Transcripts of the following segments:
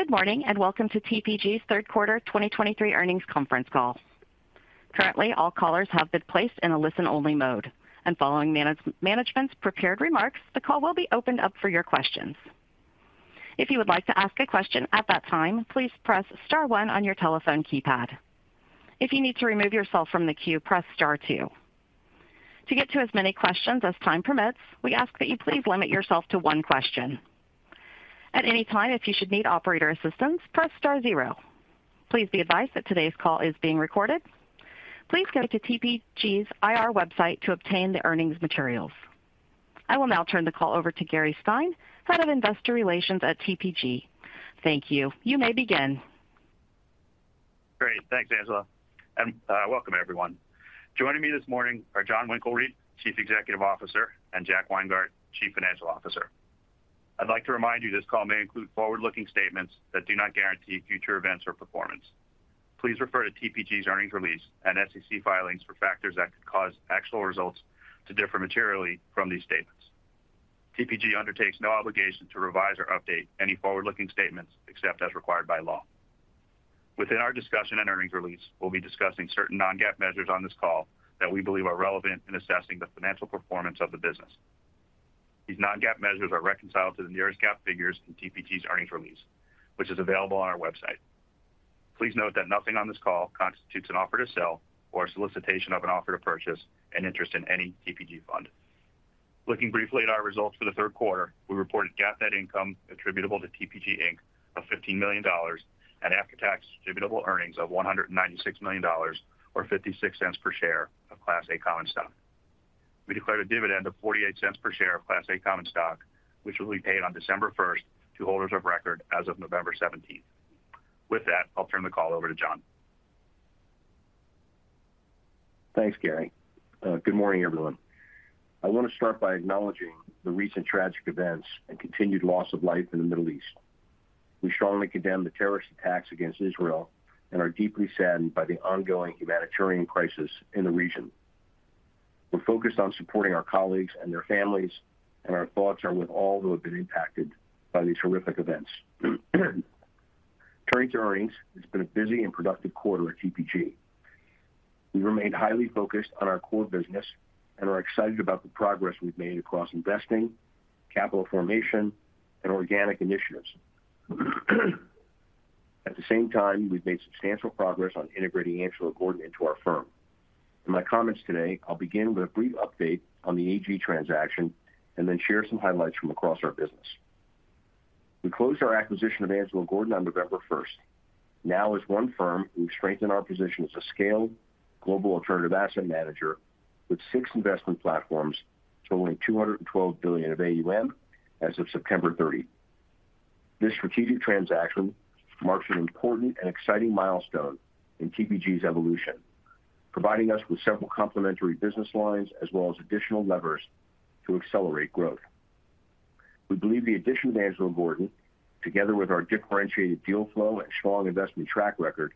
Good morning, and welcome to TPG's third quarter 2023 earnings conference call. Currently, all callers have been placed in a listen-only mode, and following management's prepared remarks, the call will be opened up for your questions. If you would like to ask a question at that time, please press star one on your telephone keypad. If you need to remove yourself from the queue, press star two. To get to as many questions as time permits, we ask that you please limit yourself to one question. At any time, if you should need operator assistance, press star zero. Please be advised that today's call is being recorded. Please go to TPG's IR website to obtain the earnings materials. I will now turn the call over to Gary Stein, Head of Investor Relations at TPG. Thank you. You may begin. Great. Thanks, Angela, and welcome everyone. Joining me this morning are Jon Winkelried, Chief Executive Officer, and Jack Weingart, Chief Financial Officer. I'd like to remind you this call may include forward-looking statements that do not guarantee future events or performance. Please refer to TPG's earnings release and SEC filings for factors that could cause actual results to differ materially from these statements. TPG undertakes no obligation to revise or update any forward-looking statements except as required by law. Within our discussion and earnings release, we'll be discussing certain Non-GAAP measures on this call that we believe are relevant in assessing the financial performance of the business. These Non-GAAP measures are reconciled to the nearest GAAP figures in TPG's earnings release, which is available on our website. Please note that nothing on this call constitutes an offer to sell or a solicitation of an offer to purchase an interest in any TPG fund. Looking briefly at our results for the third quarter, we reported GAAP net income attributable to TPG Inc. of $15 million and after-tax distributable earnings of $196 million, or $0.56 per share of Class A common stock. We declared a dividend of $0.48 per share of Class A common stock, which will be paid on December 1st to holders of record as of November 17th. With that, I'll turn the call over to Jon. Thanks, Gary. Good morning, everyone. I want to start by acknowledging the recent tragic events and continued loss of life in the Middle East. We strongly condemn the terrorist attacks against Israel and are deeply saddened by the ongoing humanitarian crisis in the region. We're focused on supporting our colleagues and their families, and our thoughts are with all who have been impacted by these horrific events. Turning to earnings, it's been a busy and productive quarter at TPG. We remain highly focused on our core business and are excited about the progress we've made across investing, capital formation, and organic initiatives. At the same time, we've made substantial progress on integrating Angelo Gordon into our firm. In my comments today, I'll begin with a brief update on the AG transaction and then share some highlights from across our business. We closed our acquisition of Angelo Gordon on November 1st. Now, as one firm, we've strengthened our position as a scaled global alternative asset manager with six investment platforms totaling $212 billion of AUM as of September 30th. This strategic transaction marks an important and exciting milestone in TPG's evolution, providing us with several complementary business lines as well as additional levers to accelerate growth. We believe the addition of Angelo Gordon, together with our differentiated deal flow and strong investment track record,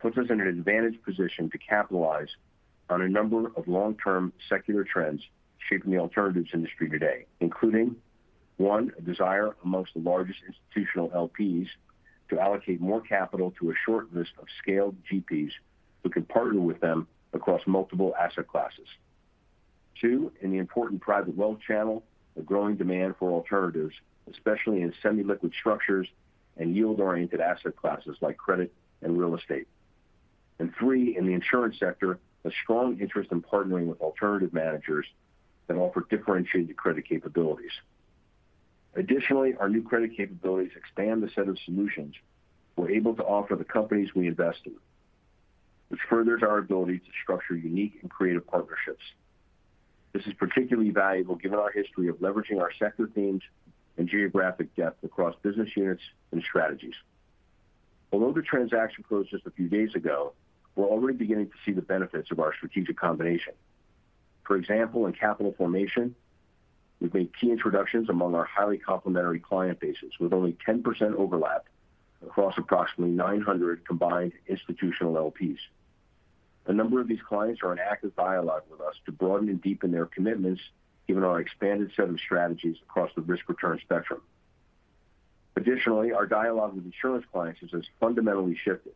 puts us in an advantaged position to capitalize on a number of long-term secular trends shaping the alternatives industry today, including one, a desire amongst the largest institutional LPs to allocate more capital to a short list of scaled GPs who can partner with them across multiple asset classes. Two, in the important private wealth channel, a growing demand for alternatives, especially in semi-liquid structures and yield-oriented asset classes like credit and real estate. And three, in the insurance sector, a strong interest in partnering with alternative managers that offer differentiated credit capabilities. Additionally, our new credit capabilities expand the set of solutions we're able to offer the companies we invest in, which furthers our ability to structure unique and creative partnerships. This is particularly valuable given our history of leveraging our sector themes and geographic depth across business units and strategies. Although the transaction closed just a few days ago, we're already beginning to see the benefits of our strategic combination. For example, in capital formation, we've made key introductions among our highly complementary client bases, with only 10% overlap across approximately 900 combined institutional LPs. A number of these clients are in active dialogue with us to broaden and deepen their commitments, given our expanded set of strategies across the risk-return spectrum. Additionally, our dialogue with insurance clients has fundamentally shifted.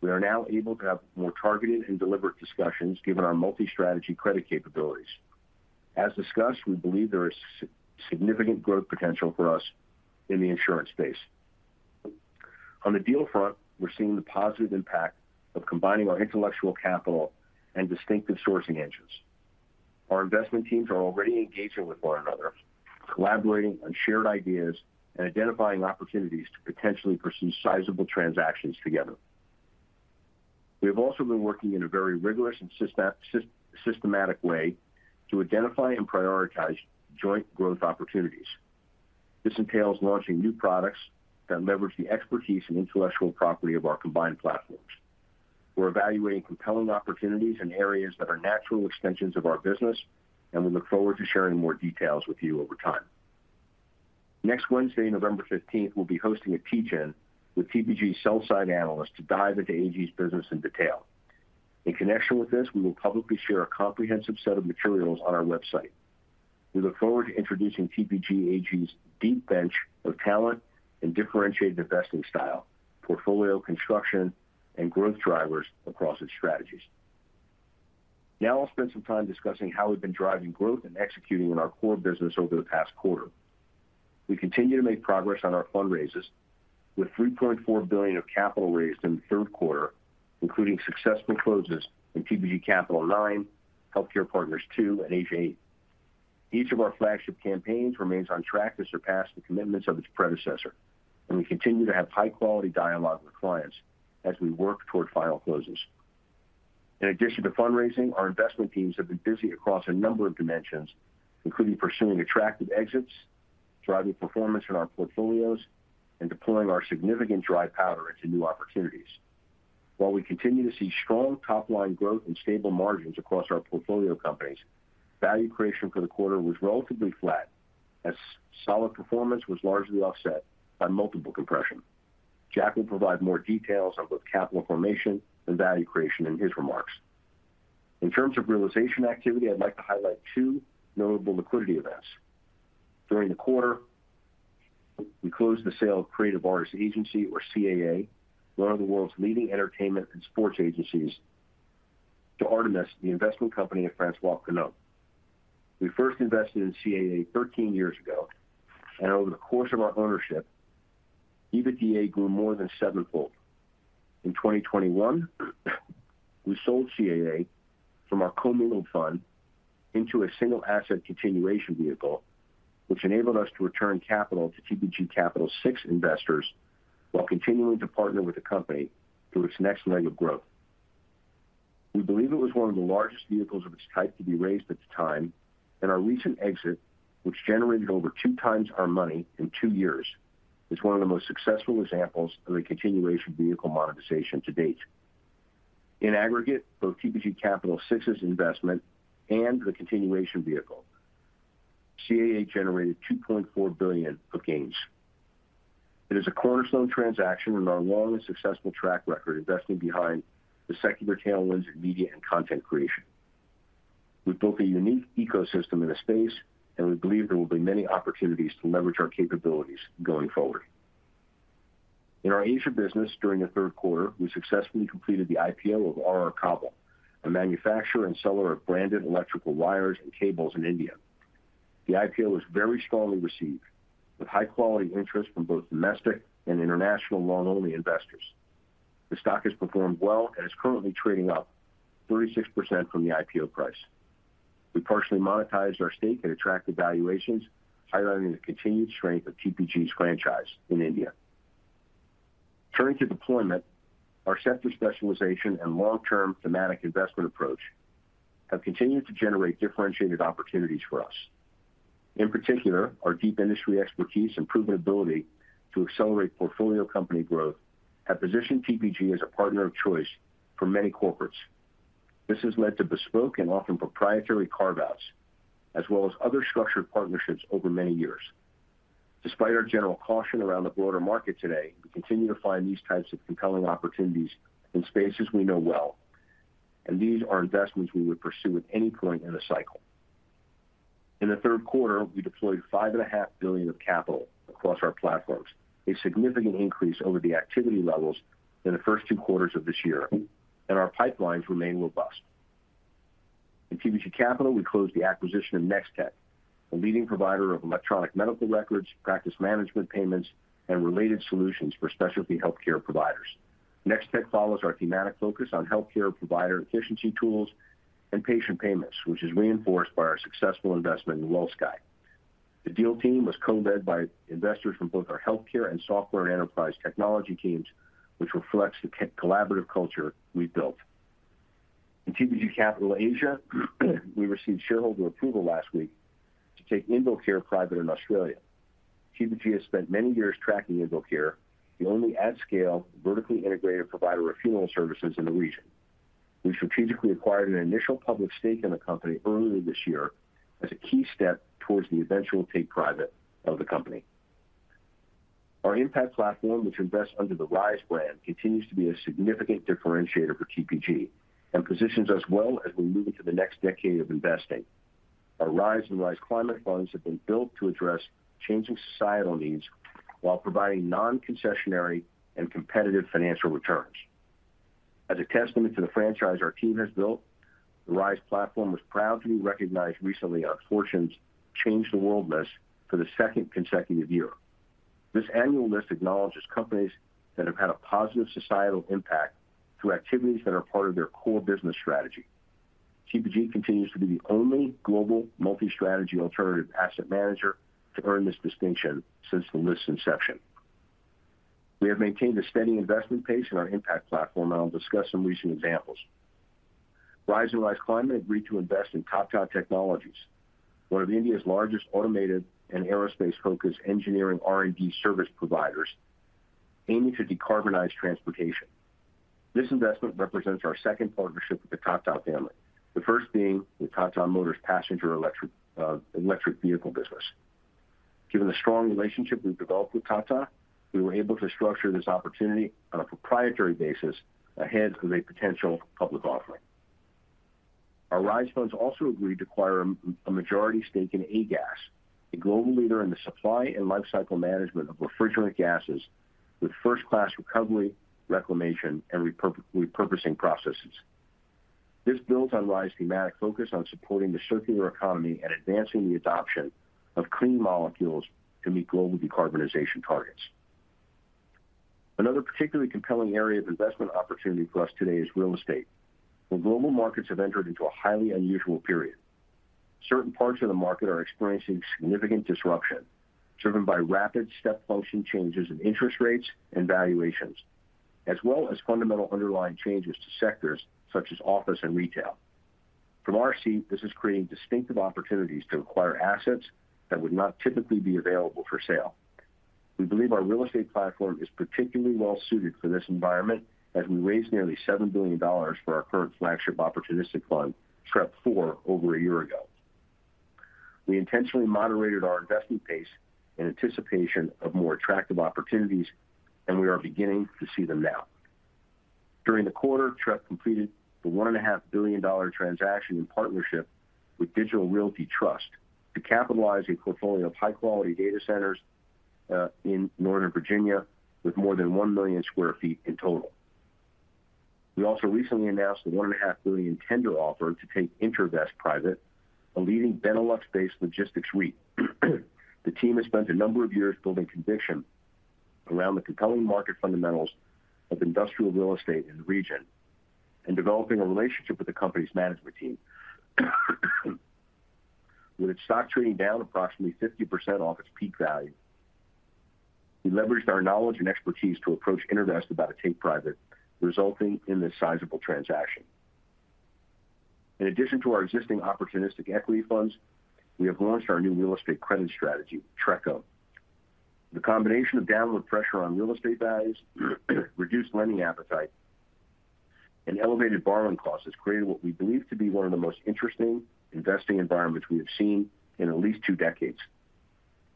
We are now able to have more targeted and deliberate discussions given our multi-strategy credit capabilities. As discussed, we believe there is significant growth potential for us in the insurance space. On the deal front, we're seeing the positive impact of combining our intellectual capital and distinctive sourcing engines. Our investment teams are already engaging with one another, collaborating on shared ideas and identifying opportunities to potentially pursue sizable transactions together. We have also been working in a very rigorous and systematic way to identify and prioritize joint growth opportunities. This entails launching new products that leverage the expertise and intellectual property of our combined platforms. We're evaluating compelling opportunities in areas that are natural extensions of our business, and we look forward to sharing more details with you over time. Next Wednesday, November fifteenth, we'll be hosting a teach-in with TPG sell-side analysts to dive into AG's business in detail... In connection with this, we will publicly share a comprehensive set of materials on our website. We look forward to introducing TPG AG's deep bench of talent and differentiated investing style, portfolio construction, and growth drivers across its strategies. Now I'll spend some time discussing how we've been driving growth and executing on our core business over the past quarter. We continue to make progress on our fundraisers, with $3.4 billion of capital raised in the third quarter, including successful closes in TPG Capital IX, Healthcare Partners II, and Asia VIII. Each of our flagship campaigns remains on track to surpass the commitments of its predecessor, and we continue to have high-quality dialogue with clients as we work toward final closes. In addition to fundraising, our investment teams have been busy across a number of dimensions, including pursuing attractive exits, driving performance in our portfolios, and deploying our significant dry powder into new opportunities. While we continue to see strong top-line growth and stable margins across our portfolio companies, value creation for the quarter was relatively flat, as solid performance was largely offset by multiple compression. Jack will provide more details on both capital formation and value creation in his remarks. In terms of realization activity, I'd like to highlight two notable liquidity events. During the quarter, we closed the sale of Creative Artists Agency or CAA, one of the world's leading entertainment and sports agencies, to Artémis, the investment company of François-Henri Pinault. We first invested in CAA thirteen years ago, and over the course of our ownership, EBITDA grew more than sevenfold. In 2021, we sold CAA from our commingled fund into a single asset continuation vehicle, which enabled us to return capital to TPG Capital VI investors while continuing to partner with the company through its next leg of growth. We believe it was one of the largest vehicles of its type to be raised at the time, and our recent exit, which generated over 2x our money in two years, is one of the most successful examples of a continuation vehicle monetization to date. In aggregate, both TPG Capital VI's investment and the continuation vehicle, CAA generated $2.4 billion of gains. It is a cornerstone transaction in our long and successful track record, investing behind the secular tailwinds in media and content creation. We've built a unique ecosystem in the space, and we believe there will be many opportunities to leverage our capabilities going forward. In our Asia business during the third quarter, we successfully completed the IPO of Polycab India, a manufacturer and seller of branded electrical wires and cables in India. The IPO was very strongly received, with high-quality interest from both domestic and international long-only investors. The stock has performed well and is currently trading up 36% from the IPO price. We partially monetized our stake at attractive valuations, highlighting the continued strength of TPG's franchise in India. Turning to deployment, our sector specialization and long-term thematic investment approach have continued to generate differentiated opportunities for us. In particular, our deep industry expertise and proven ability to accelerate portfolio company growth have positioned TPG as a partner of choice for many corporates. This has led to bespoke and often proprietary carve-outs, as well as other structured partnerships over many years. Despite our general caution around the broader market today, we continue to find these types of compelling opportunities in spaces we know well, and these are investments we would pursue at any point in the cycle. In the third quarter, we deployed $5.5 billion of capital across our platforms, a significant increase over the activity levels in the first two quarters of this year, and our pipelines remain robust. In TPG Capital, we closed the acquisition of Nextech, a leading provider of electronic medical records, practice management payments, and related solutions for specialty healthcare providers. Nextech follows our thematic focus on healthcare provider efficiency tools and patient payments, which is reinforced by our successful investment in WellSky. The deal team was co-led by investors from both our healthcare and software and enterprise technology teams, which reflects the collaborative culture we've built. In TPG Capital Asia, we received shareholder approval last week to take InvoCare private in Australia. TPG has spent many years tracking InvoCare, the only at scale, vertically integrated provider of funeral services in the region. We strategically acquired an initial public stake in the company earlier this year as a key step towards the eventual take private of the company. Our impact platform, which invests under the Rise brand, continues to be a significant differentiator for TPG and positions us well as we move into the next decade of investing. Our Rise and Rise Climate Funds have been built to address changing societal needs while providing non-concessionary and competitive financial returns. As a testament to the franchise our team has built, the Rise platform was proudly recognized recently on Fortune's Change the World list for the second consecutive year. This annual list acknowledges companies that have had a positive societal impact through activities that are part of their core business strategy. TPG continues to be the only global multi-strategy alternative asset manager to earn this distinction since the list's inception. We have maintained a steady investment pace in our impact platform, and I'll discuss some recent examples. Rise and Rise Climate agreed to invest in Tata Technologies, one of India's largest automated and aerospace-focused engineering R&D service providers aiming to decarbonize transportation. This investment represents our second partnership with the Tata family, the first being the Tata Motors passenger electric vehicle business. Given the strong relationship we've developed with Tata, we were able to structure this opportunity on a proprietary basis ahead of a potential public offering. Our Rise funds also agreed to acquire a majority stake in A-Gas, a global leader in the supply and lifecycle management of refrigerant gases, with first-class recovery, reclamation, and repurposing processes. This builds on Rise's thematic focus on supporting the circular economy and advancing the adoption of clean molecules to meet global decarbonization targets. Another particularly compelling area of investment opportunity for us today is real estate, where global markets have entered into a highly unusual period. Certain parts of the market are experiencing significant disruption, driven by rapid step function changes in interest rates and valuations, as well as fundamental underlying changes to sectors such as office and retail. From our seat, this is creating distinctive opportunities to acquire assets that would not typically be available for sale. We believe our real estate platform is particularly well suited for this environment, as we raised nearly $7 billion for our current flagship opportunistic fund, TREP IV, over a year ago. We intentionally moderated our investment pace in anticipation of more attractive opportunities, and we are beginning to see them now. During the quarter, TREP completed the $1.5 billion transaction in partnership with Digital Realty Trust to capitalize a portfolio of high-quality data centers in Northern Virginia with more than 1 million sq ft in total. We also recently announced a $1.5 billion tender offer to take Intervest private, a leading Benelux-based logistics REIT. The team has spent a number of years building conviction around the compelling market fundamentals of industrial real estate in the region and developing a relationship with the company's management team. With its stock trading down approximately 50% off its peak value, we leveraged our knowledge and expertise to approach Intervest about a take private, resulting in this sizable transaction. In addition to our existing opportunistic equity funds, we have launched our new real estate credit strategy, TRECO. The combination of downward pressure on real estate values, reduced lending appetite, and elevated borrowing costs has created what we believe to be one of the most interesting investing environments we have seen in at least two decades.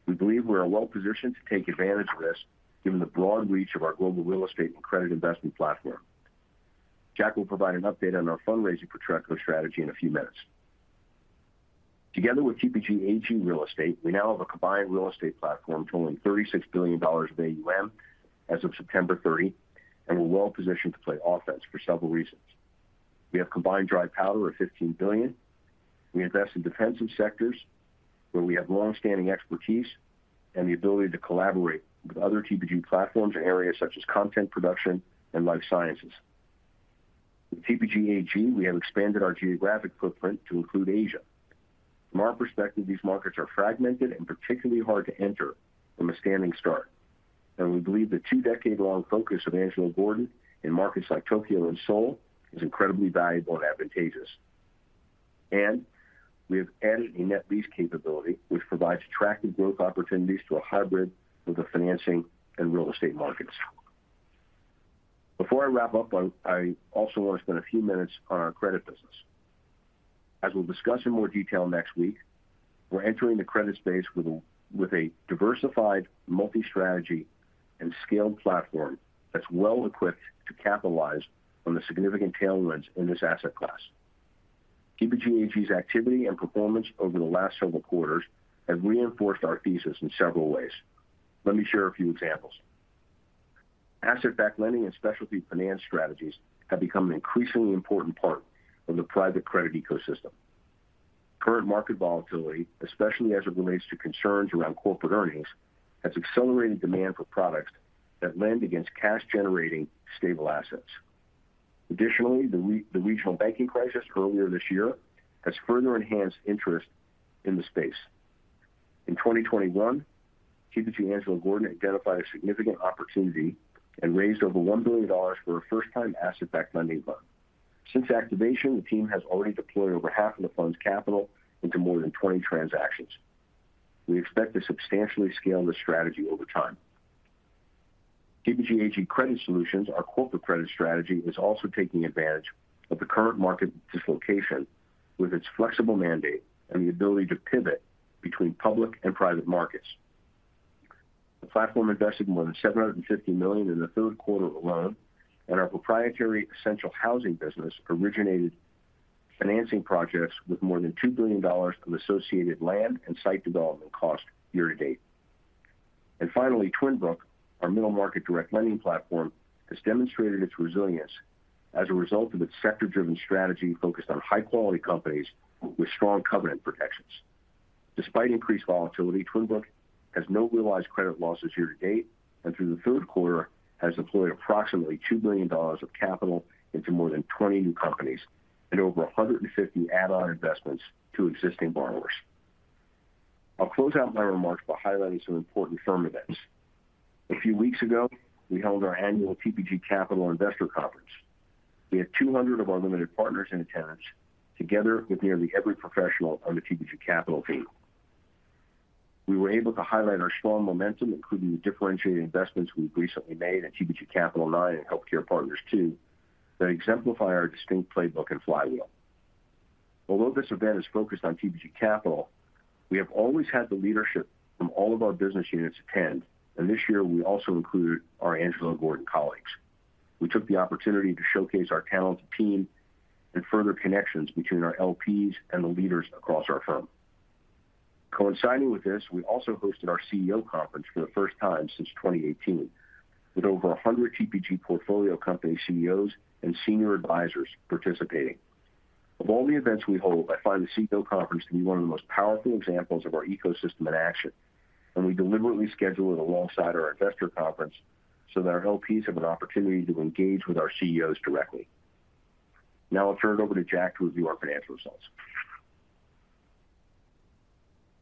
We believe we are well positioned to take advantage of this, given the broad reach of our global real estate and credit investment platform. Jack will provide an update on our fundraising for TRECO strategy in a few minutes. Together with TPG Angelo Gordon Real Estate, we now have a combined real estate platform totaling $36 billion of AUM as of September 30, and we're well positioned to play offense for several reasons. We have combined dry powder of $15 billion. We invest in defensive sectors where we have long-standing expertise and the ability to collaborate with other TPG platforms in areas such as content production and life sciences. With TPG AG, we have expanded our geographic footprint to include Asia. From our perspective, these markets are fragmented and particularly hard to enter from a standing start, and we believe the two-decade-long focus of Angelo Gordon in markets like Tokyo and Seoul is incredibly valuable and advantageous. And we have added a net lease capability, which provides attractive growth opportunities to a hybrid of the financing and real estate markets. Before I wrap up, I also want to spend a few minutes on our credit business. As we'll discuss in more detail next week, we're entering the credit space with a diversified, multi-strategy, and scaled platform that's well equipped to capitalize on the significant tailwinds in this asset class. TPG AG's activity and performance over the last several quarters have reinforced our thesis in several ways. Let me share a few examples. Asset-backed lending and specialty finance strategies have become an increasingly important part of the private credit ecosystem. Current market volatility, especially as it relates to concerns around corporate earnings, has accelerated demand for products that lend against cash-generating, stable assets. Additionally, the regional banking crisis earlier this year has further enhanced interest in the space. In 2021, TPG Angelo Gordon identified a significant opportunity and raised over $1 billion for a first-time asset-backed lending fund. Since activation, the team has already deployed over half of the fund's capital into more than 20 transactions. We expect to substantially scale this strategy over time. TPG AG Credit Solutions, our corporate credit strategy, is also taking advantage of the current market dislocation with its flexible mandate and the ability to pivot between public and private markets. The platform invested more than $750 million in the third quarter alone, and our proprietary essential housing business originated financing projects with more than $2 billion of associated land and site development costs year to date. And finally, Twin Brook, our middle market direct lending platform, has demonstrated its resilience as a result of its sector-driven strategy focused on high-quality companies with strong covenant protections. Despite increased volatility, Twin Brook has no realized credit losses year to date, and through the third quarter, has deployed approximately $2 billion of capital into more than 20 new companies and over 150 add-on investments to existing borrowers. I'll close out my remarks by highlighting some important firm events. A few weeks ago, we held our annual TPG Capital Investor Conference. We had 200 of our limited partners in attendance, together with nearly every professional on the TPG Capital team. We were able to highlight our strong momentum, including the differentiated investments we've recently made in TPG Capital IX and Healthcare Partners II, that exemplify our distinct playbook and flywheel.... Although this event is focused on TPG Capital, we have always had the leadership from all of our business units attend, and this year we also included our Angelo Gordon colleagues. We took the opportunity to showcase our talented team and further connections between our LPs and the leaders across our firm. Coinciding with this, we also hosted our CEO conference for the first time since 2018, with over 100 TPG portfolio company CEOs and senior advisors participating. Of all the events we hold, I find the CEO conference to be one of the most powerful examples of our ecosystem in action, and we deliberately schedule it alongside our investor conference so that our LPs have an opportunity to engage with our CEOs directly. Now I'll turn it over to Jack to review our financial results.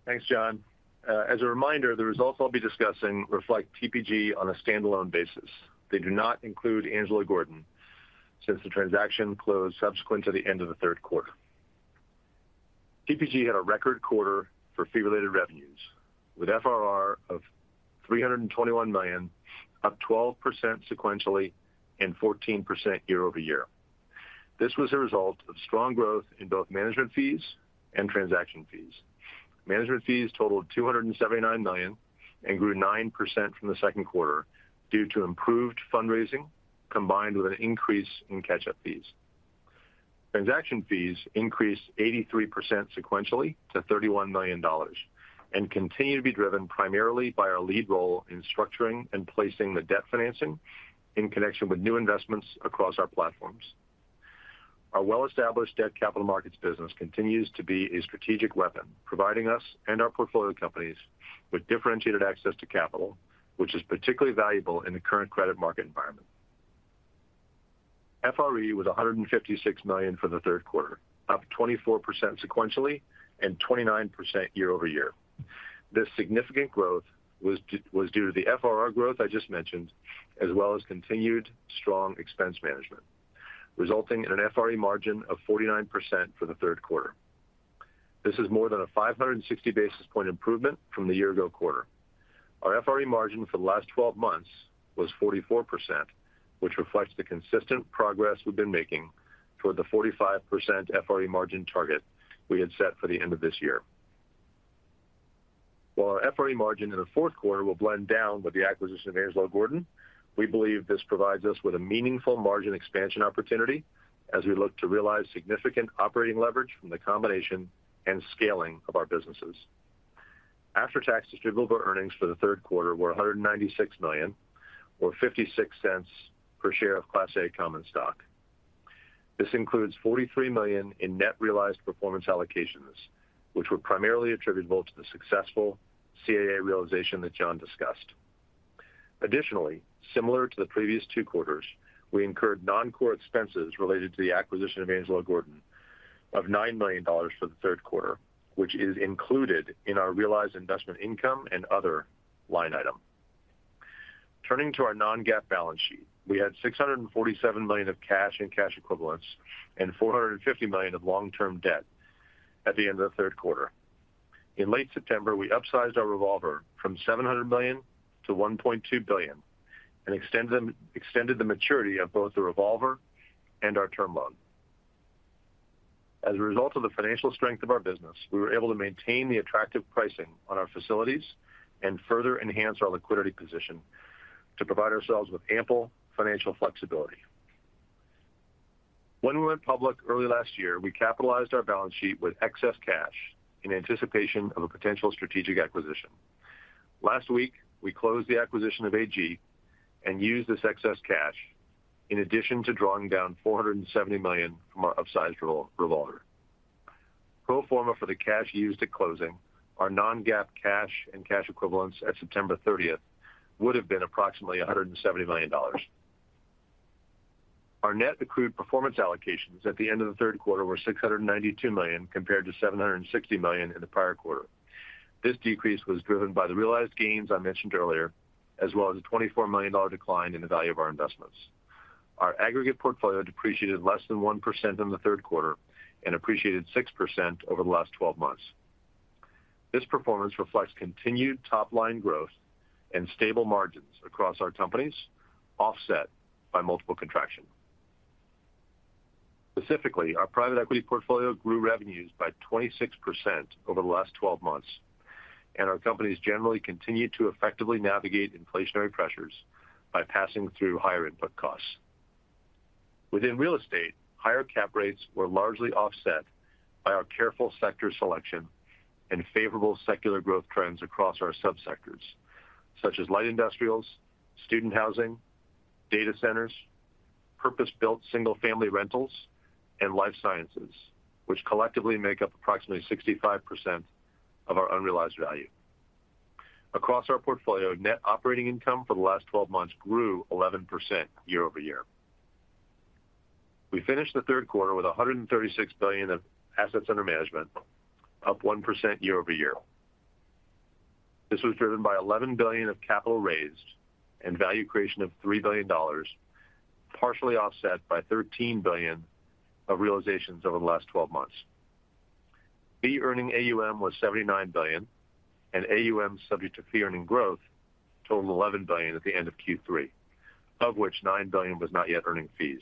Thanks, Jon. As a reminder, the results I'll be discussing reflect TPG on a standalone basis. They do not include Angelo Gordon, since the transaction closed subsequent to the end of the third quarter. TPG had a record quarter for fee-related revenues, with FRR of $321 million, up 12% sequentially and 14% year-over-year. This was a result of strong growth in both management fees and transaction fees. Management fees totaled $279 million and grew 9% from the second quarter due to improved fundraising, combined with an increase in catch-up fees. Transaction fees increased 83% sequentially to $31 million, and continue to be driven primarily by our lead role in structuring and placing the debt financing in connection with new investments across our platforms. Our well-established debt capital markets business continues to be a strategic weapon, providing us and our portfolio companies with differentiated access to capital, which is particularly valuable in the current credit market environment. FRE was $156 million for the third quarter, up 24% sequentially and 29% year-over-year. This significant growth was was due to the FRR growth I just mentioned, as well as continued strong expense management, resulting in an FRE margin of 49% for the third quarter. This is more than a 560 basis point improvement from the year ago quarter. Our FRE margin for the last twelve months was 44%, which reflects the consistent progress we've been making toward the 45% FRE margin target we had set for the end of this year. While our FRE margin in the fourth quarter will blend down with the acquisition of Angelo Gordon, we believe this provides us with a meaningful margin expansion opportunity as we look to realize significant operating leverage from the combination and scaling of our businesses. After-tax distributable earnings for the third quarter were $196 million, or $0.56 per share of Class A common stock. This includes $43 million in net realized performance allocations, which were primarily attributable to the successful CAA realization that Jon discussed. Additionally, similar to the previous two quarters, we incurred non-core expenses related to the acquisition of Angelo Gordon of $9 million for the third quarter, which is included in our realized investment income and other line item. Turning to our Non-GAAP balance sheet, we had $647 million of cash and cash equivalents, and $450 million of long-term debt at the end of the third quarter. In late September, we upsized our revolver from $700 million-$1.2 billion, and extended the maturity of both the revolver and our term loan. As a result of the financial strength of our business, we were able to maintain the attractive pricing on our facilities and further enhance our liquidity position to provide ourselves with ample financial flexibility. When we went public early last year, we capitalized our balance sheet with excess cash in anticipation of a potential strategic acquisition. Last week, we closed the acquisition of AG and used this excess cash in addition to drawing down $470 million from our upsized revolver. Pro forma for the cash used at closing, our Non-GAAP cash and cash equivalents at September 30th would have been approximately $170 million. Our net accrued performance allocations at the end of the third quarter were $692 million, compared to $760 million in the prior quarter. This decrease was driven by the realized gains I mentioned earlier, as well as a $24 million decline in the value of our investments. Our aggregate portfolio depreciated less than 1% in the third quarter and appreciated 6% over the last 12months. This performance reflects continued top-line growth and stable margins across our companies, offset by multiple contraction. Specifically, our private equity portfolio grew revenues by 26% over the last twelve months, and our companies generally continued to effectively navigate inflationary pressures by passing through higher input costs. Within real estate, higher cap rates were largely offset by our careful sector selection and favorable secular growth trends across our subsectors, such as light industrials, student housing, data centers, purpose-built single-family rentals, and life sciences, which collectively make up approximately 65% of our unrealized value. Across our portfolio, net operating income for the last twelve months grew 11% year-over-year. We finished the third quarter with $136 billion of assets under management, up 1% year-over-year. This was driven by $11 billion of capital raised and value creation of $3 billion, partially offset by $13 billion of realizations over the last twelve months. Fee-earning AUM was $79 billion, and AUM subject to fee-earning growth totaled $11 billion at the end of Q3, of which $9 billion was not yet earning fees.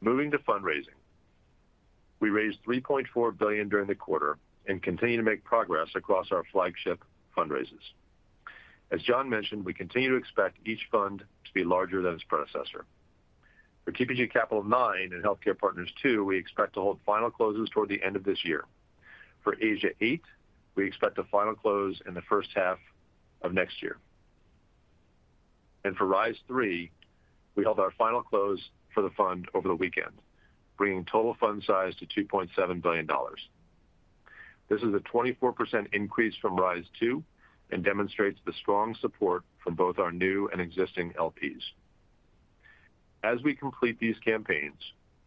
Moving to fundraising. We raised $3.4 billion during the quarter and continue to make progress across our flagship fundraisers. As Jon mentioned, we continue to expect each fund to be larger than its predecessor. For TPG Capital IX and Healthcare Partners II, we expect to hold final closes toward the end of this year. For Asia VIII, we expect a final close in the first half of next year. And for Rise III, we held our final close for the fund over the weekend, bringing total fund size to $2.7 billion. This is a 24% increase from Rise II and demonstrates the strong support from both our new and existing LPs. As we complete these campaigns,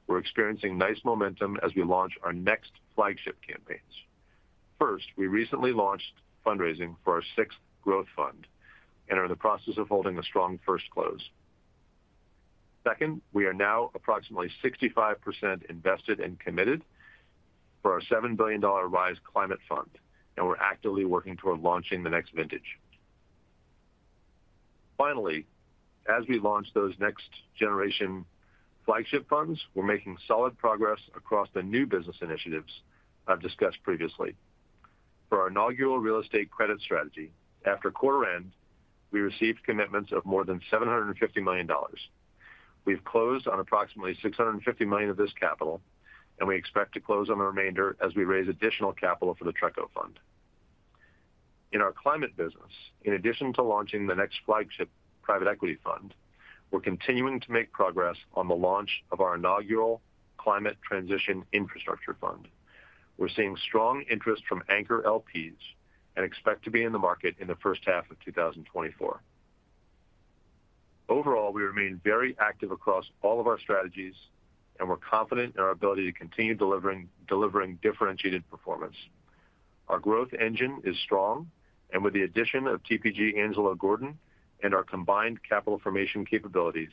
we're experiencing nice momentum as we launch our next flagship campaigns. First, we recently launched fundraising for our sixth growth fund and are in the process of holding a strong first close. Second, we are now approximately 65% invested and committed for our $7 billion Rise Climate Fund, and we're actively working toward launching the next vintage. Finally, as we launch those next generation flagship funds, we're making solid progress across the new business initiatives I've discussed previously. For our inaugural real estate credit strategy, after quarter end, we received commitments of more than $750 million. We've closed on approximately $650 million of this capital, and we expect to close on the remainder as we raise additional capital for the TRECO Fund. In our climate business, in addition to launching the next flagship private equity fund, we're continuing to make progress on the launch of our inaugural Climate Transition Infrastructure Fund. We're seeing strong interest from anchor LPs and expect to be in the market in the first half of 2024. Overall, we remain very active across all of our strategies, and we're confident in our ability to continue delivering differentiated performance. Our growth engine is strong, and with the addition of TPG Angelo Gordon and our combined capital formation capabilities,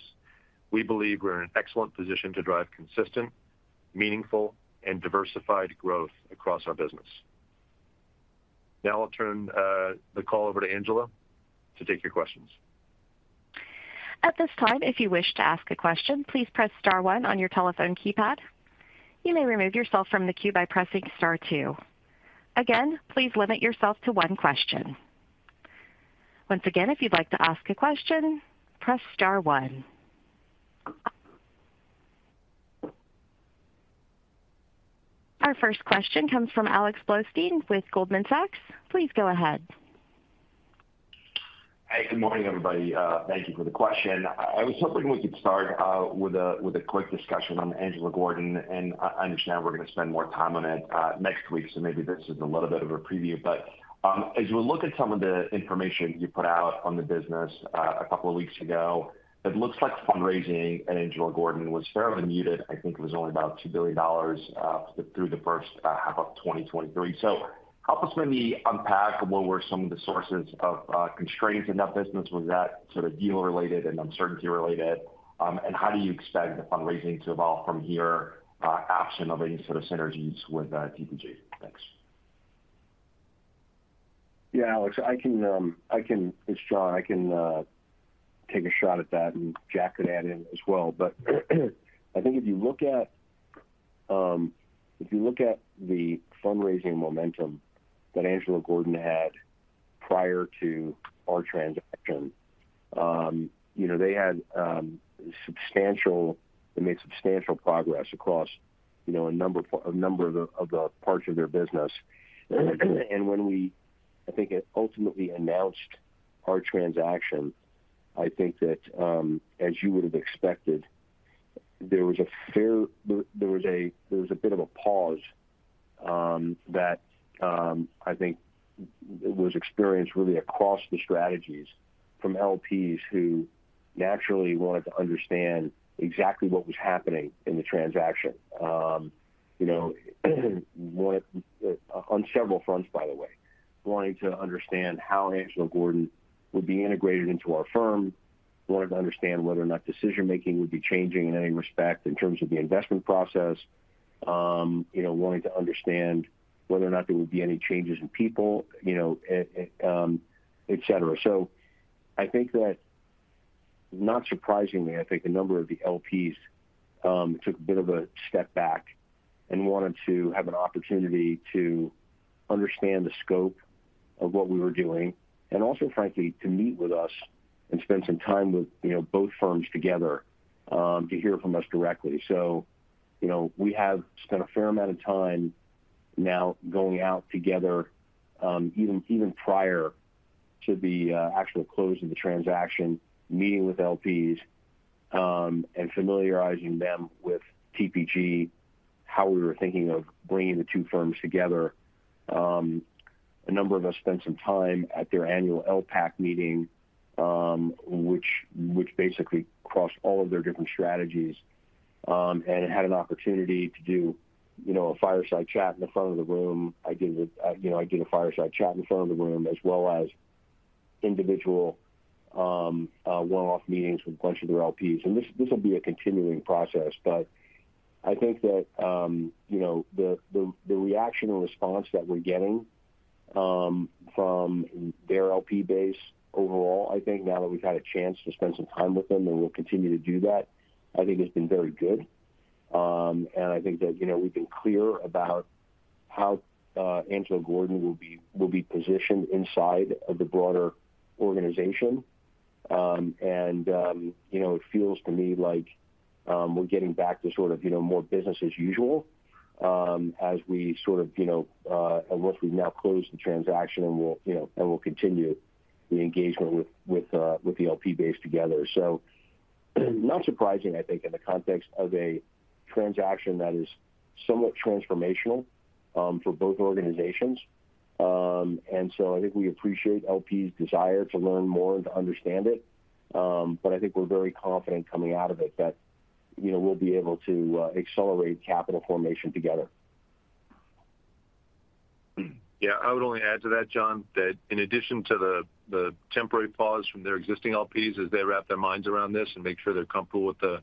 we believe we're in an excellent position to drive consistent, meaningful, and diversified growth across our business. Now I'll turn the call over to Angela to take your questions. At this time, if you wish to ask a question, please press star one on your telephone keypad. You may remove yourself from the queue by pressing star two. Again, please limit yourself to one question. Once again, if you'd like to ask a question, press star one. Our first question comes from Alex Blostein with Goldman Sachs. Please go ahead. Hey, good morning, everybody. Thank you for the question. I was hoping we could start with a quick discussion on Angelo Gordon, and I understand we're going to spend more time on it next week, so maybe this is a little bit of a preview. But as we look at some of the information you put out on the business a couple of weeks ago, it looks like fundraising at Angelo Gordon was fairly anemic. I think it was only about $2 billion through the first half of 2023. So help us maybe unpack what were some of the sources of constraints in that business. Was that sort of deal related and uncertainty related? And how do you expect the fundraising to evolve from here absent of any sort of synergies with TPG? Thanks. Yeah, Alex, I can, I can. It's Jon. I can take a shot at that, and Jack could add in as well. But, I think if you look at, if you look at the fundraising momentum that Angelo Gordon had prior to our transaction, you know, they had substantial—they made substantial progress across, you know, a number of, a number of the, of the parts of their business. And when we, I think, ultimately announced our transaction, I think that, as you would have expected, there was a fair—there, there was a, there was a bit of a pause, that, I think was experienced really across the strategies from LPs who naturally wanted to understand exactly what was happening in the transaction. You know, wanted on several fronts, by the way, wanting to understand how Angelo Gordon would be integrated into our firm, wanted to understand whether or not decision-making would be changing in any respect in terms of the investment process, you know, wanting to understand whether or not there would be any changes in people, you know, et cetera. So I think that, not surprisingly, I think a number of the LPs took a bit of a step back and wanted to have an opportunity to understand the scope of what we were doing, and also, frankly, to meet with us and spend some time with, you know, both firms together, to hear from us directly. You know, we have spent a fair amount of time now going out together, even prior to the actual close of the transaction, meeting with LPs, and familiarizing them with TPG, how we were thinking of bringing the two firms together. A number of us spent some time at their annual LPAC meeting, which basically crossed all of their different strategies, and had an opportunity to do, you know, a fireside chat in the front of the room. I did a, you know, fireside chat in front of the room, as well as-... individual one-off meetings with a bunch of their LPs. And this will be a continuing process. But I think that, you know, the reaction and response that we're getting from their LP base overall, I think now that we've had a chance to spend some time with them, and we'll continue to do that, I think has been very good. And I think that, you know, we've been clear about how Angelo Gordon will be positioned inside of the broader organization. And, you know, it feels to me like we're getting back to sort of, you know, more business as usual, as we sort of, you know, unless we've now closed the transaction and we'll, you know, and we'll continue the engagement with the LP base together. So not surprising, I think, in the context of a transaction that is somewhat transformational, for both organizations. And so I think we appreciate LP's desire to learn more and to understand it. But I think we're very confident coming out of it that, you know, we'll be able to accelerate capital formation together. Yeah, I would only add to that, Jon, that in addition to the temporary pause from their existing LPs as they wrap their minds around this and make sure they're comfortable with the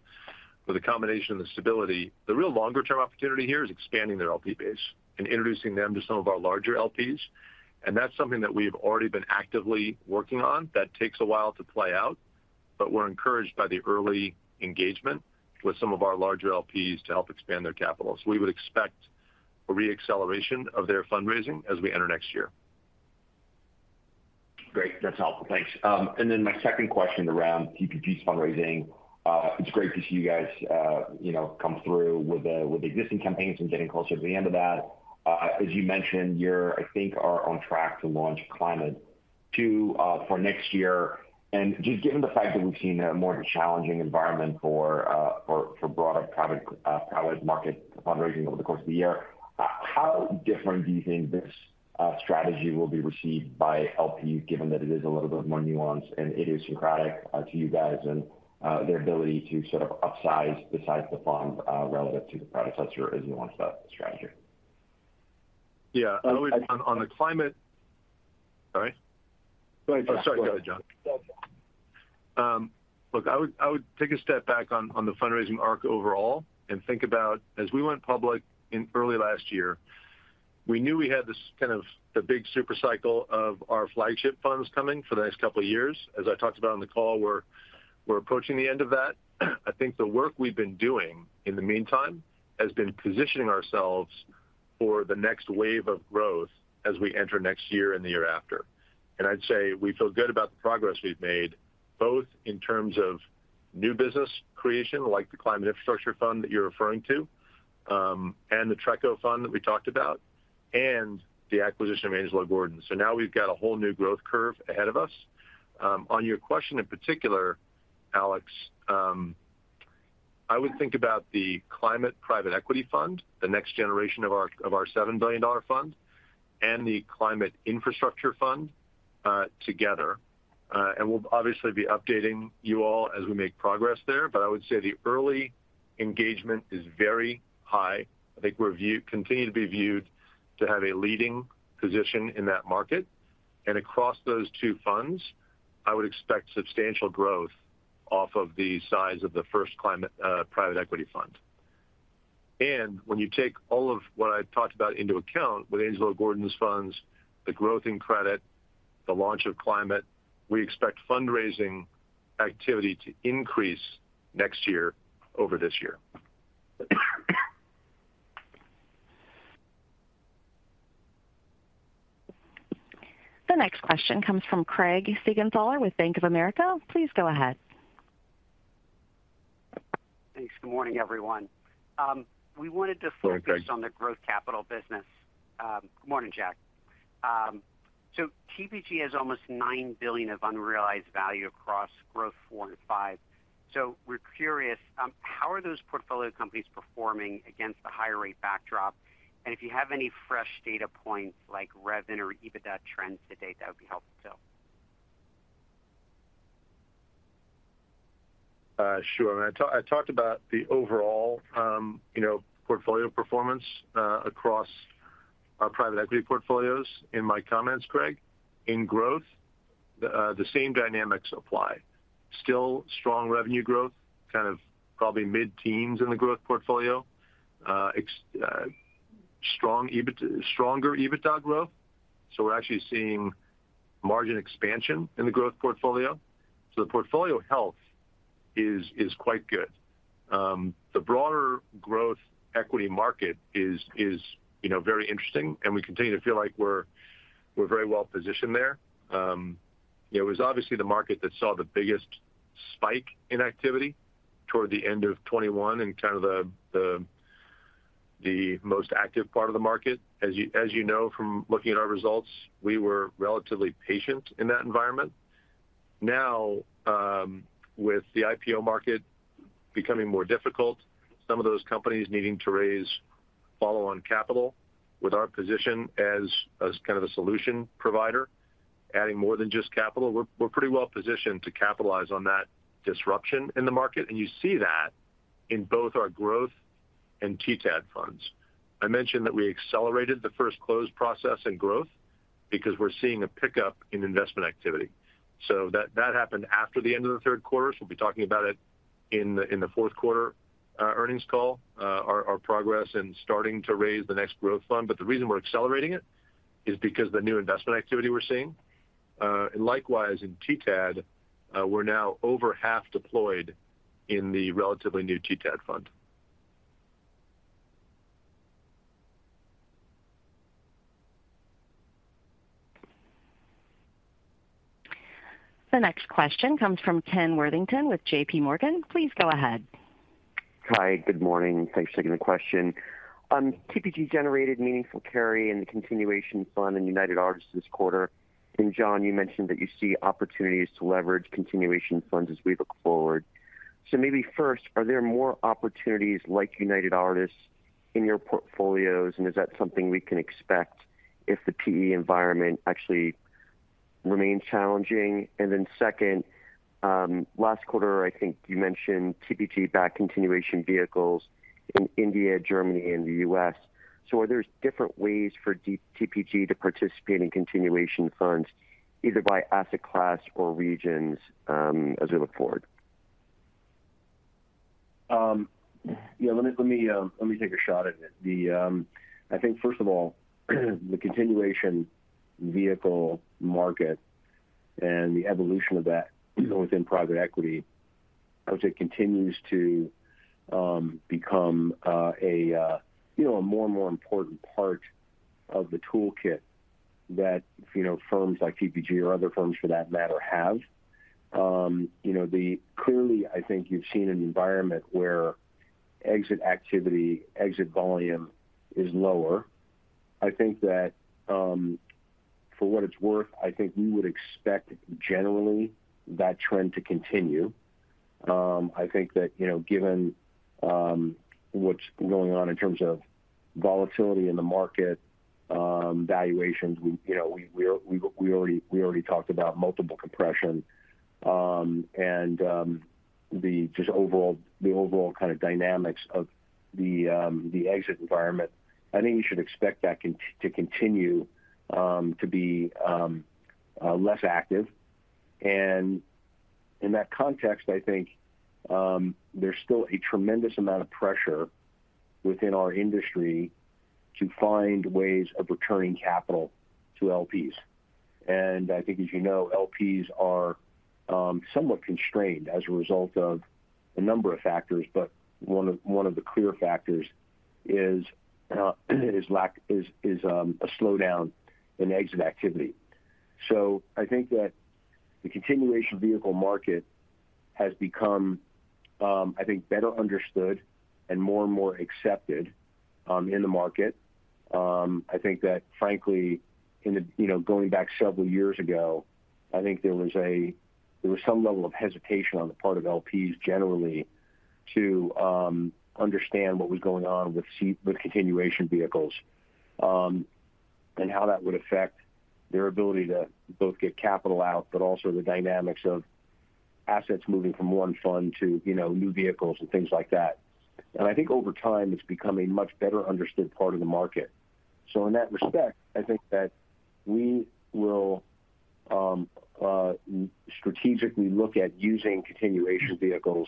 combination and the stability, the real longer-term opportunity here is expanding their LP base and introducing them to some of our larger LPs. And that's something that we've already been actively working on. That takes a while to play out, but we're encouraged by the early engagement with some of our larger LPs to help expand their capital. So we would expect a reacceleration of their fundraising as we enter next year. Great. That's helpful. Thanks. And then my second question around TPG's fundraising. It's great to see you guys, you know, come through with the existing campaigns and getting closer to the end of that. As you mentioned, you're, I think, are on track to launch Climate Two for next year. And just given the fact that we've seen a more challenging environment for broader private market fundraising over the course of the year, how different do you think this strategy will be received by LP, given that it is a little bit more nuanced and idiosyncratic to you guys, and their ability to sort of upsize the size of the fund relative to the product that's your nuanced strategy? Yeah. On the climate... Sorry? Go ahead, Jack. Sorry. Go ahead, Jon. Okay. Look, I would, I would take a step back on, on the fundraising arc overall and think about as we went public in early last year, we knew we had this kind of the big super cycle of our flagship funds coming for the next couple of years. As I talked about on the call, we're, we're approaching the end of that. I think the work we've been doing in the meantime has been positioning ourselves for the next wave of growth as we enter next year and the year after. And I'd say we feel good about the progress we've made, both in terms of new business creation, like the Climate Infrastructure Fund that you're referring to, and the T-RECO Fund that we talked about, and the acquisition of Angelo Gordon. So now we've got a whole new growth curve ahead of us. On your question in particular, Alex, I would think about the Climate Private Equity Fund, the next generation of our $7 billion fund, and the Climate Infrastructure Fund, together. And we'll obviously be updating you all as we make progress there, but I would say the early engagement is very high. I think we're viewed, continuing to be viewed to have a leading position in that market. And across those two funds, I would expect substantial growth off of the size of the first climate private equity fund. And when you take all of what I've talked about into account, with Angelo Gordon's funds, the growth in credit, the launch of climate, we expect fundraising activity to increase next year over this year. The next question comes from Craig Siegenthaler with Bank of America. Please go ahead. Thanks. Good morning, everyone. We wanted to- Hello, Craig. Focus on the growth capital business. Good morning, Jack. So TPG has almost $9 billion of unrealized value across growth four and five. So we're curious, how are those portfolio companies performing against the higher rate backdrop? And if you have any fresh data points like revenue or EBITDA trends to date, that would be helpful, too. Sure. I talked about the overall, you know, portfolio performance across our private equity portfolios in my comments, Craig. In growth, the same dynamics apply. Still strong revenue growth, kind of probably mid-teens in the growth portfolio. Strong EBITDA, stronger EBITDA growth. So we're actually seeing margin expansion in the growth portfolio. So the portfolio health is quite good. The broader growth equity market is, you know, very interesting, and we continue to feel like we're very well positioned there. It was obviously the market that saw the biggest spike in activity toward the end of 2021 and kind of the most active part of the market. As you know from looking at our results, we were relatively patient in that environment. Now, with the IPO market becoming more difficult, some of those companies needing to raise follow-on capital with our position as kind of a solution provider, adding more than just capital, we're pretty well positioned to capitalize on that disruption in the market. And you see that in both our growth-... and TTAD funds. I mentioned that we accelerated the first close process and growth because we're seeing a pickup in investment activity. So that happened after the end of the third quarter, so we'll be talking about it in the fourth quarter earnings call, our progress in starting to raise the next growth fund. But the reason we're accelerating it is because the new investment activity we're seeing. And likewise, in TTAD, we're now over half deployed in the relatively new TTAD fund. The next question comes from Ken Worthington with JPMorgan. Please go ahead. Hi, good morning, and thanks for taking the question. TPG generated meaningful carry in the continuation fund in United Artists this quarter, and Jon, you mentioned that you see opportunities to leverage continuation funds as we look forward. So maybe first, are there more opportunities like United Artists in your portfolios, and is that something we can expect if the PE environment actually remains challenging? And then second, last quarter, I think you mentioned TPG-backed continuation vehicles in India, Germany, and the U.S. So are there different ways for TPG to participate in continuation funds, either by asset class or regions, as we look forward? Yeah, let me take a shot at it. I think first of all, the continuation vehicle market and the evolution of that within private equity, I would say, continues to become, you know, a more and more important part of the toolkit that, you know, firms like TPG or other firms for that matter, have. You know, clearly, I think you've seen an environment where exit activity, exit volume is lower. I think that, for what it's worth, I think we would expect generally that trend to continue. I think that, you know, given what's going on in terms of volatility in the market, valuations, you know, we already talked about multiple compression, and the overall kind of dynamics of the exit environment. I think you should expect that to continue to be less active. And in that context, I think, there's still a tremendous amount of pressure within our industry to find ways of returning capital to LPs. And I think, as you know, LPs are somewhat constrained as a result of a number of factors, but one of the clear factors is a slowdown in exit activity. So I think that the continuation vehicle market has become, I think, better understood and more and more accepted, in the market. I think that frankly, in the, you know, going back several years ago, I think there was some level of hesitation on the part of LPs generally, to understand what was going on with continuation vehicles, and how that would affect their ability to both get capital out, but also the dynamics of assets moving from one fund to, you know, new vehicles and things like that. And I think over time, it's becoming a much better understood part of the market. So in that respect, I think that we will strategically look at using continuation vehicles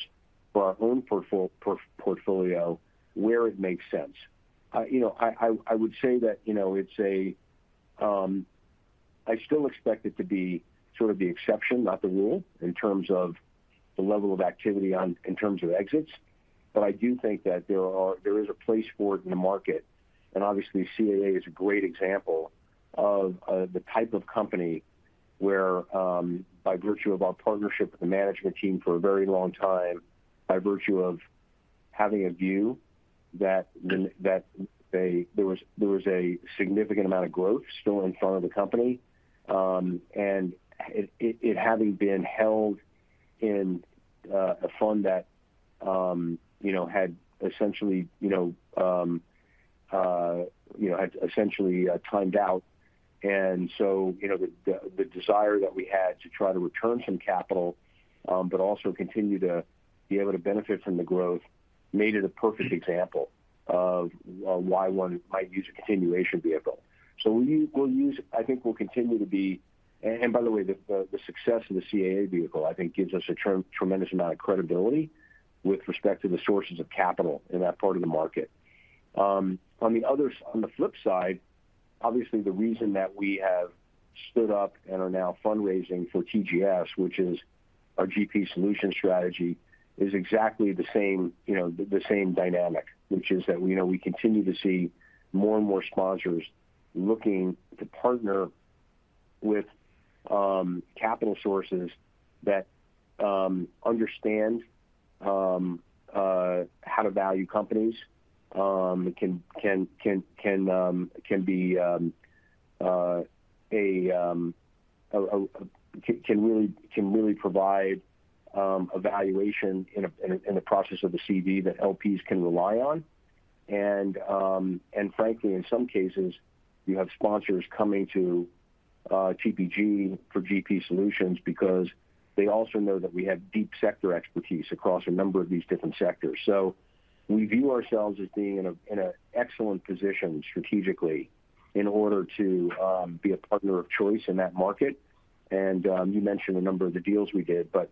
for our own portfolio where it makes sense. You know, I would say that, you know, it's. I still expect it to be sort of the exception, not the rule, in terms of the level of activity on... in terms of exits. But I do think that there is a place for it in the market. And obviously, CAA is a great example of the type of company where, by virtue of our partnership with the management team for a very long time, by virtue of having a view that there was a significant amount of growth still in front of the company, and it having been held in a fund that, you know, had essentially timed out. You know, the desire that we had to try to return some capital, but also continue to be able to benefit from the growth, made it a perfect example of why one might use a continuation vehicle. So we will use. I think we'll continue to be... And by the way, the success of the CAA vehicle, I think gives us a tremendous amount of credibility with respect to the sources of capital in that part of the market. On the flip side, obviously, the reason that we have stood up and are now fundraising for TGS, which is our GP solutions strategy, is exactly the same, you know, the same dynamic, which is that, you know, we continue to see more and more sponsors looking to partner with capital sources that understand how to value companies, can really provide a valuation in the process of the CV that LPs can rely on. And frankly, in some cases, you have sponsors coming to TPG for GP solutions because they also know that we have deep sector expertise across a number of these different sectors. So we view ourselves as being in an excellent position strategically in order to be a partner of choice in that market. And you mentioned a number of the deals we did, but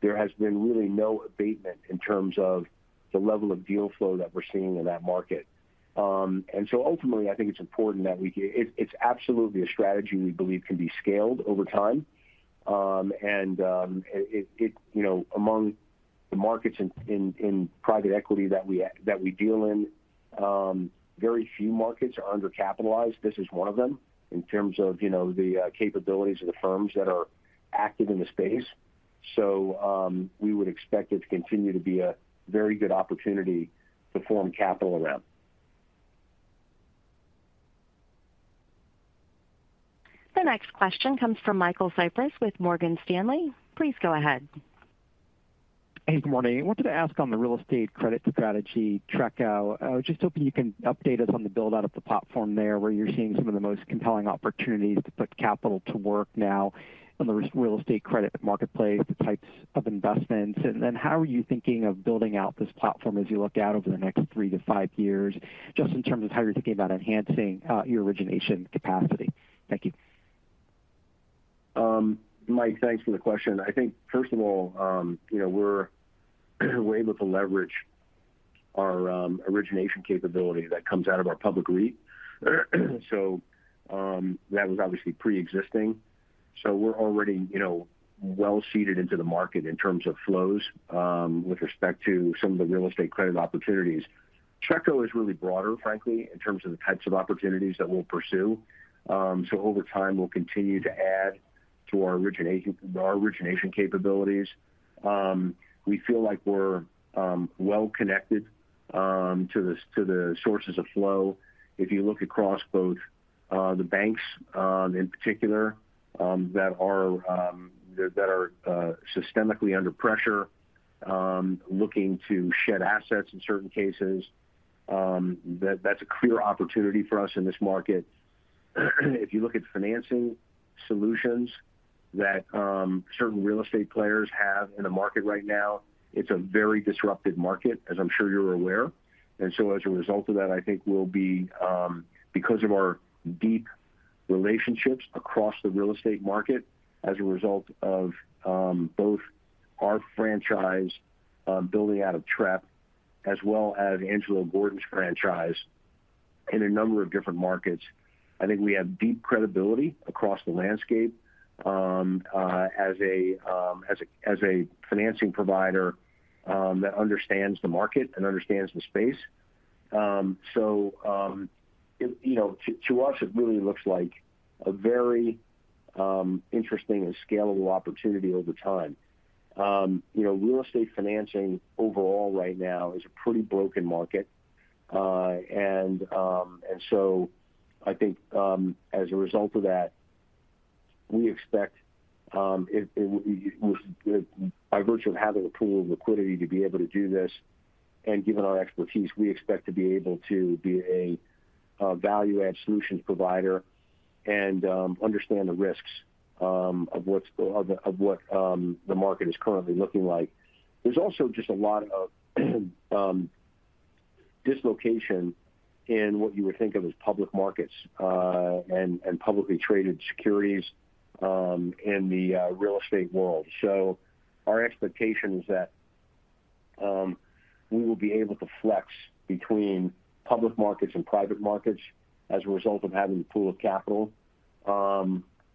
there has been really no abatement in terms of the level of deal flow that we're seeing in that market. And so ultimately, I think it's important that it's absolutely a strategy we believe can be scaled over time. And it, you know, among the markets in private equity that we deal in, very few markets are undercapitalized. This is one of them, in terms of, you know, the capabilities of the firms that are active in the space. So we would expect it to continue to be a very good opportunity to form capital around. The next question comes from Michael Cyprys with Morgan Stanley. Please go ahead. Hey, good morning. I wanted to ask on the real estate credit strategy, TRECO. I was just hoping you can update us on the build-out of the platform there, where you're seeing some of the most compelling opportunities to put capital to work now on the real estate credit marketplace, the types of investments. And then how are you thinking of building out this platform as you look out over the next three to five years, just in terms of how you're thinking about enhancing your origination capacity? Thank you. Mike, thanks for the question. I think, first of all, you know, we're able to leverage our origination capability that comes out of our public REIT. So, that was obviously preexisting. So we're already, you know, well-seeded into the market in terms of flows with respect to some of the real estate credit opportunities. TRECO is really broader, frankly, in terms of the types of opportunities that we'll pursue. So over time, we'll continue to add to our origination capabilities. We feel like we're well connected to the sources of flow. If you look across both the banks, in particular, that are systemically under pressure, looking to shed assets in certain cases, that's a clear opportunity for us in this market. If you look at financing solutions that certain real estate players have in the market right now, it's a very disruptive market, as I'm sure you're aware. And so as a result of that, I think we'll be because of our deep relationships across the real estate market, as a result of both our franchise building out of TREP, as well as Angelo Gordon's franchise in a number of different markets, I think we have deep credibility across the landscape, as a financing provider that understands the market and understands the space. So, you know, to us, it really looks like a very interesting and scalable opportunity over time. You know, real estate financing overall right now is a pretty broken market. And so I think as a result of that, we expect it with by virtue of having a pool of liquidity to be able to do this, and given our expertise, we expect to be able to be a value-add solutions provider and understand the risks of what the market is currently looking like. There's also just a lot of dislocation in what you would think of as public markets and publicly traded securities in the real estate world. So our expectation is that we will be able to flex between public markets and private markets as a result of having the pool of capital.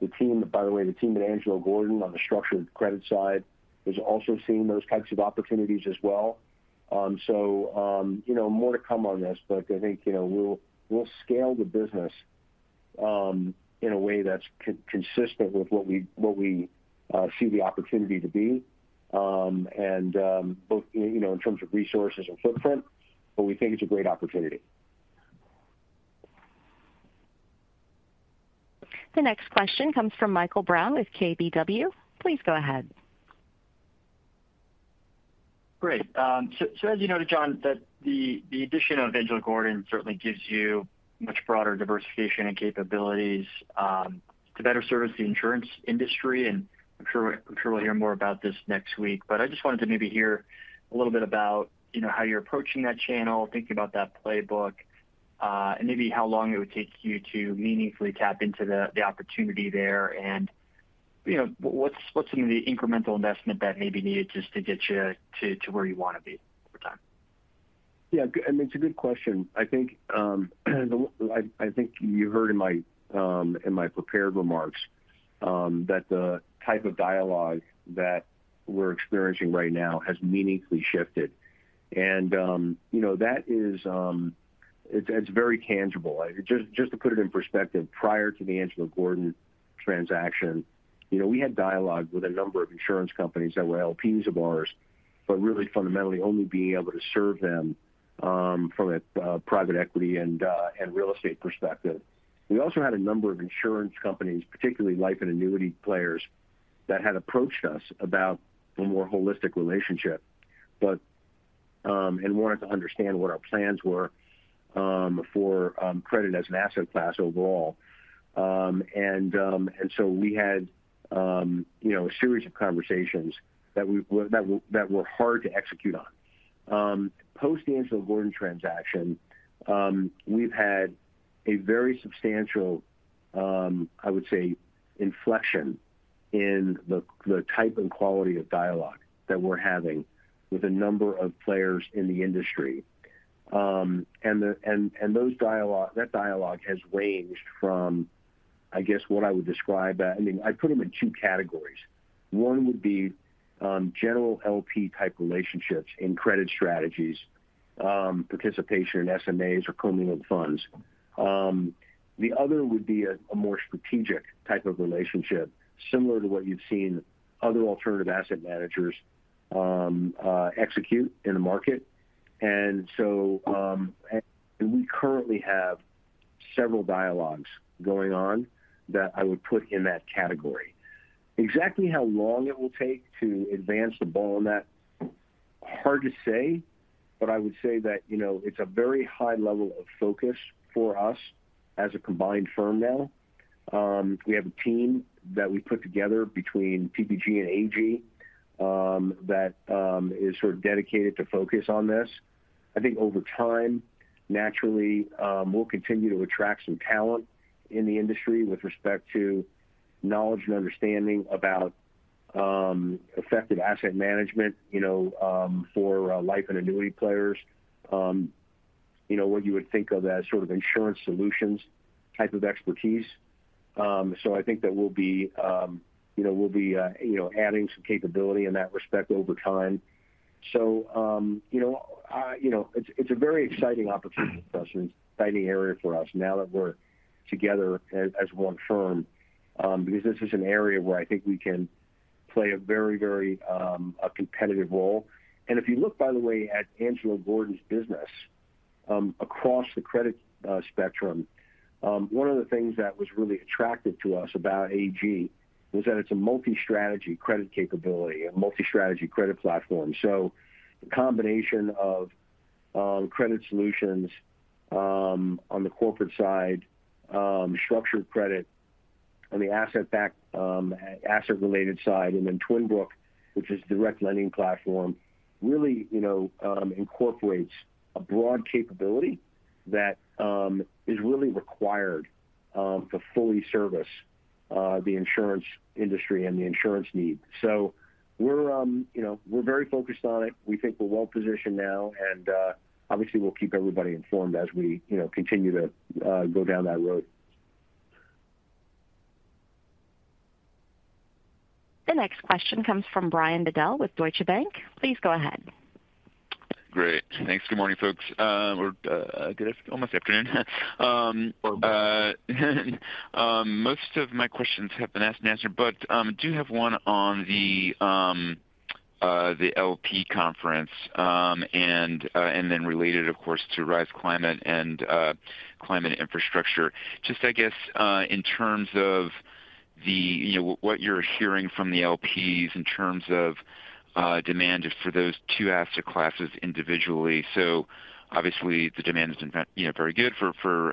The team, by the way, the team at Angelo Gordon on the structured credit side, is also seeing those types of opportunities as well. So, you know, more to come on this, but I think, you know, we'll scale the business in a way that's consistent with what we see the opportunity to be, and both, you know, in terms of resources and footprint, but we think it's a great opportunity. The next question comes from Michael Brown with KBW. Please go ahead. Great. So, so as you noted, Jon, that the, the addition of Angelo Gordon certainly gives you much broader diversification and capabilities, to better service the insurance industry, and I'm sure, I'm sure we'll hear more about this next week. But I just wanted to maybe hear a little bit about, you know, how you're approaching that channel, thinking about that playbook, and maybe how long it would take you to meaningfully tap into the, the opportunity there. And, you know, what's, what's some of the incremental investment that may be needed just to get you to, to where you want to be over time? Yeah, I mean, it's a good question. I think I think you heard in my prepared remarks that the type of dialogue that we're experiencing right now has meaningfully shifted. And you know, that is, it's very tangible. Just to put it in perspective, prior to the Angelo Gordon transaction, you know, we had dialogue with a number of insurance companies that were LPs of ours, but really fundamentally only being able to serve them from a private equity and real estate perspective. We also had a number of insurance companies, particularly life and annuity players, that had approached us about a more holistic relationship, and wanted to understand what our plans were for credit as an asset class overall. And so we had you know a series of conversations that we—that were hard to execute on. Post the Angelo Gordon transaction, we've had a very substantial, I would say, inflection in the type and quality of dialogue that we're having with a number of players in the industry. And those—that dialogue has ranged from, I guess, what I would describe as... I mean, I'd put them in two categories. One would be general LP-type relationships in credit strategies, participation in SMAs or communal funds. The other would be a more strategic type of relationship, similar to what you've seen other alternative asset managers execute in the market. And so, and we currently have several dialogues going on that I would put in that category. Exactly how long it will take to advance the ball on that? Hard to say, but I would say that, you know, it's a very high level of focus for us as a combined firm now. We have a team that we put together between TPG and AG, that is sort of dedicated to focus on this. I think over time, naturally, we'll continue to attract some talent in the industry with respect to knowledge and understanding about effective asset management, you know, for life and annuity players. You know, what you would think of as sort of insurance solutions type of expertise. So I think that we'll be, you know, we'll be, you know, adding some capability in that respect over time. So, you know, you know, it's a very exciting opportunity for us, an exciting area for us now that we're together as one firm, because this is an area where I think we can play a very, very a competitive role. And if you look, by the way, at Angelo Gordon's business across the credit spectrum, one of the things that was really attractive to us about AG was that it's a multi-strategy credit capability, a multi-strategy credit platform. So the combination of credit solutions on the corporate side, structured credit on the asset-backed asset-related side, and then Twin Brook, which is a direct lending platform, really, you know, incorporates a broad capability that is really required to fully service the insurance industry and the insurance needs. So we're, you know, we're very focused on it. We think we're well positioned now, and, obviously, we'll keep everybody informed as we, you know, continue to go down that road. The next question comes from Brian Bedell with Deutsche Bank. Please go ahead. Great. Thanks. Good morning, folks, or almost afternoon. Most of my questions have been asked and answered, but I do have one on the LP conference and then related, of course, to Rise Climate and climate infrastructure. Just, I guess, in terms of the, you know, what you're hearing from the LPs in terms of demand for those two asset classes individually. So obviously, the demand is, in fact, you know, very good for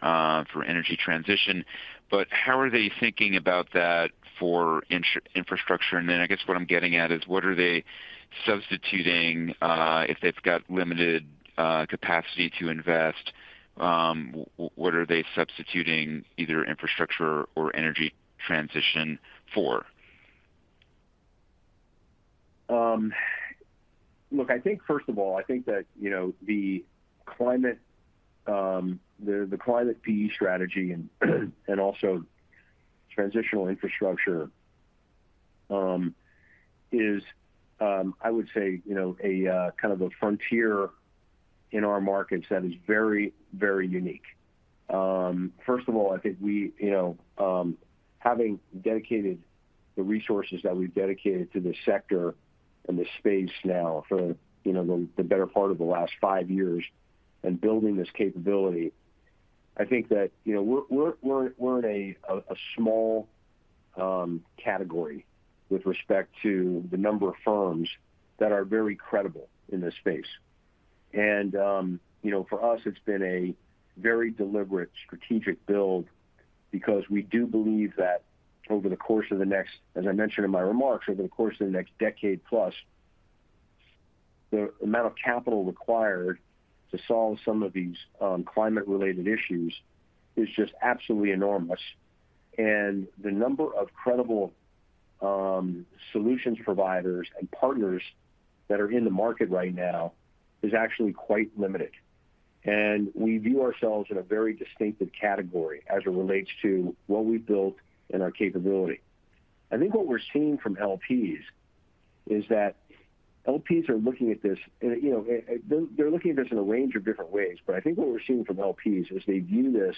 energy transition, but how are they thinking about that for infrastructure? And then I guess what I'm getting at is, what are they substituting if they've got limited capacity to invest, what are they substituting either infrastructure or energy transition for? Look, I think first of all, I think that, you know, the climate, the, the climate PE strategy and also transitional infrastructure, is, I would say, you know, a kind of a frontier in our markets that is very, very unique. First of all, I think we, you know, having dedicated the resources that we've dedicated to this sector and this space now for, you know, the better part of the last five years and building this capability, I think that, you know, we're in a small category with respect to the number of firms that are very credible in this space. You know, for us, it's been a very deliberate strategic build because we do believe that over the course of the next, as I mentioned in my remarks, over the course of the next decade plus, the amount of capital required to solve some of these climate-related issues is just absolutely enormous. The number of credible solutions providers and partners that are in the market right now is actually quite limited. We view ourselves in a very distinctive category as it relates to what we've built and our capability. I think what we're seeing from LPs is that LPs are looking at this, and, you know, they're, they're looking at this in a range of different ways. But I think what we're seeing from LPs is they view this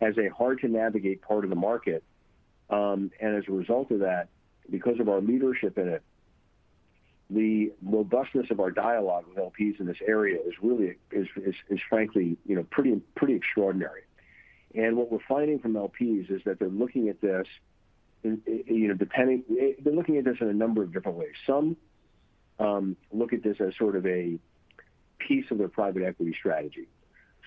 as a hard-to-navigate part of the market. As a result of that, because of our leadership in it, the robustness of our dialogue with LPs in this area is really frankly, you know, pretty extraordinary. And what we're finding from LPs is that they're looking at this, you know, in a number of different ways. Some look at this as sort of a piece of their private equity strategy.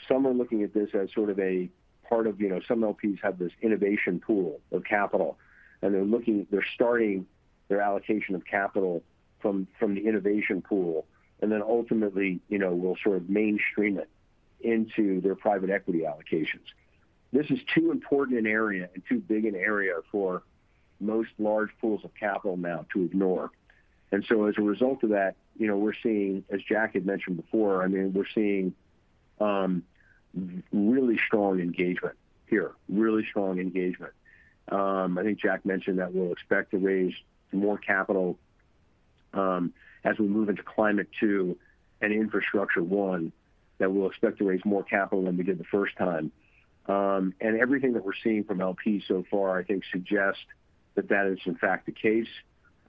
Some are looking at this as sort of a part of, you know, some LPs have this innovation pool of capital, and they're starting their allocation of capital from the innovation pool, and then ultimately, you know, will sort of mainstream it into their private equity allocations. This is too important an area and too big an area for most large pools of capital now to ignore. So as a result of that, you know, we're seeing, as Jack had mentioned before, I mean, we're seeing really strong engagement here. Really strong engagement. I think Jack mentioned that we'll expect to raise more capital as we move into Climate II and Infrastructure I, that we'll expect to raise more capital than we did the first time. And everything that we're seeing from LPs so far, I think, suggests that that is in fact the case,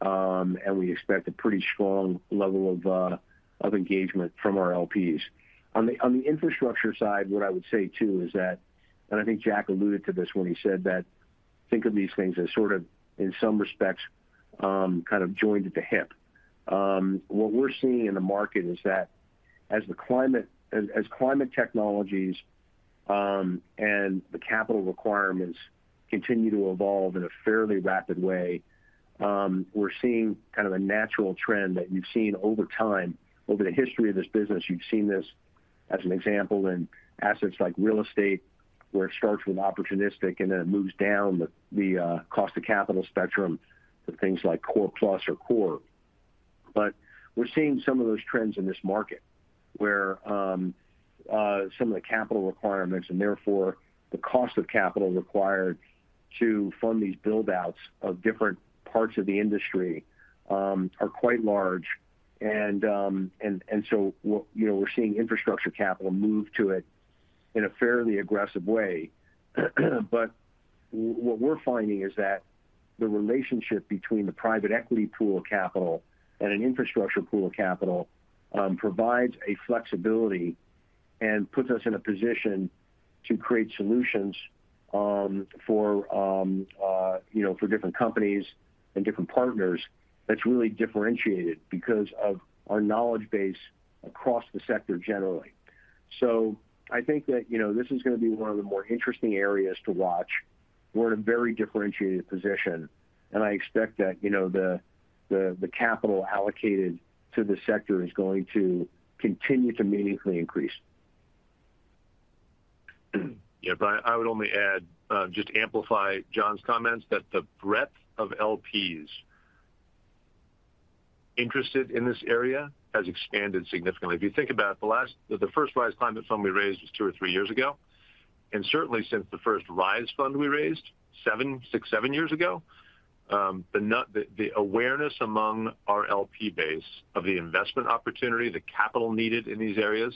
and we expect a pretty strong level of of engagement from our LPs. On the infrastructure side, what I would say, too, is that, and I think Jack alluded to this when he said that, think of these things as sort of, in some respects, kind of joined at the hip. What we're seeing in the market is that as climate technologies and the capital requirements continue to evolve in a fairly rapid way, we're seeing kind of a natural trend that you've seen over time. Over the history of this business, you've seen this as an example in assets like real estate, where it starts with opportunistic, and then it moves down the cost of capital spectrum to things like core plus or core. But we're seeing some of those trends in this market, where some of the capital requirements, and therefore the cost of capital required to fund these build-outs of different parts of the industry, are quite large. So you know, we're seeing infrastructure capital move to it in a fairly aggressive way. But what we're finding is that the relationship between the private equity pool of capital and an infrastructure pool of capital provides a flexibility and puts us in a position to create solutions, you know, for different companies and different partners, that's really differentiated because of our knowledge base across the sector generally. So I think that, you know, this is going to be one of the more interesting areas to watch. We're in a very differentiated position, and I expect that, you know, the capital allocated to the sector is going to continue to meaningfully increase. Yeah, Brian, I would only add just to amplify Jon's comments, that the breadth of LPs interested in this area has expanded significantly. If you think about it, the first Rise Climate fund we raised was two or three years ago, and certainly since the first Rise fund we raised six or seven years ago, the awareness among our LP base of the investment opportunity, the capital needed in these areas,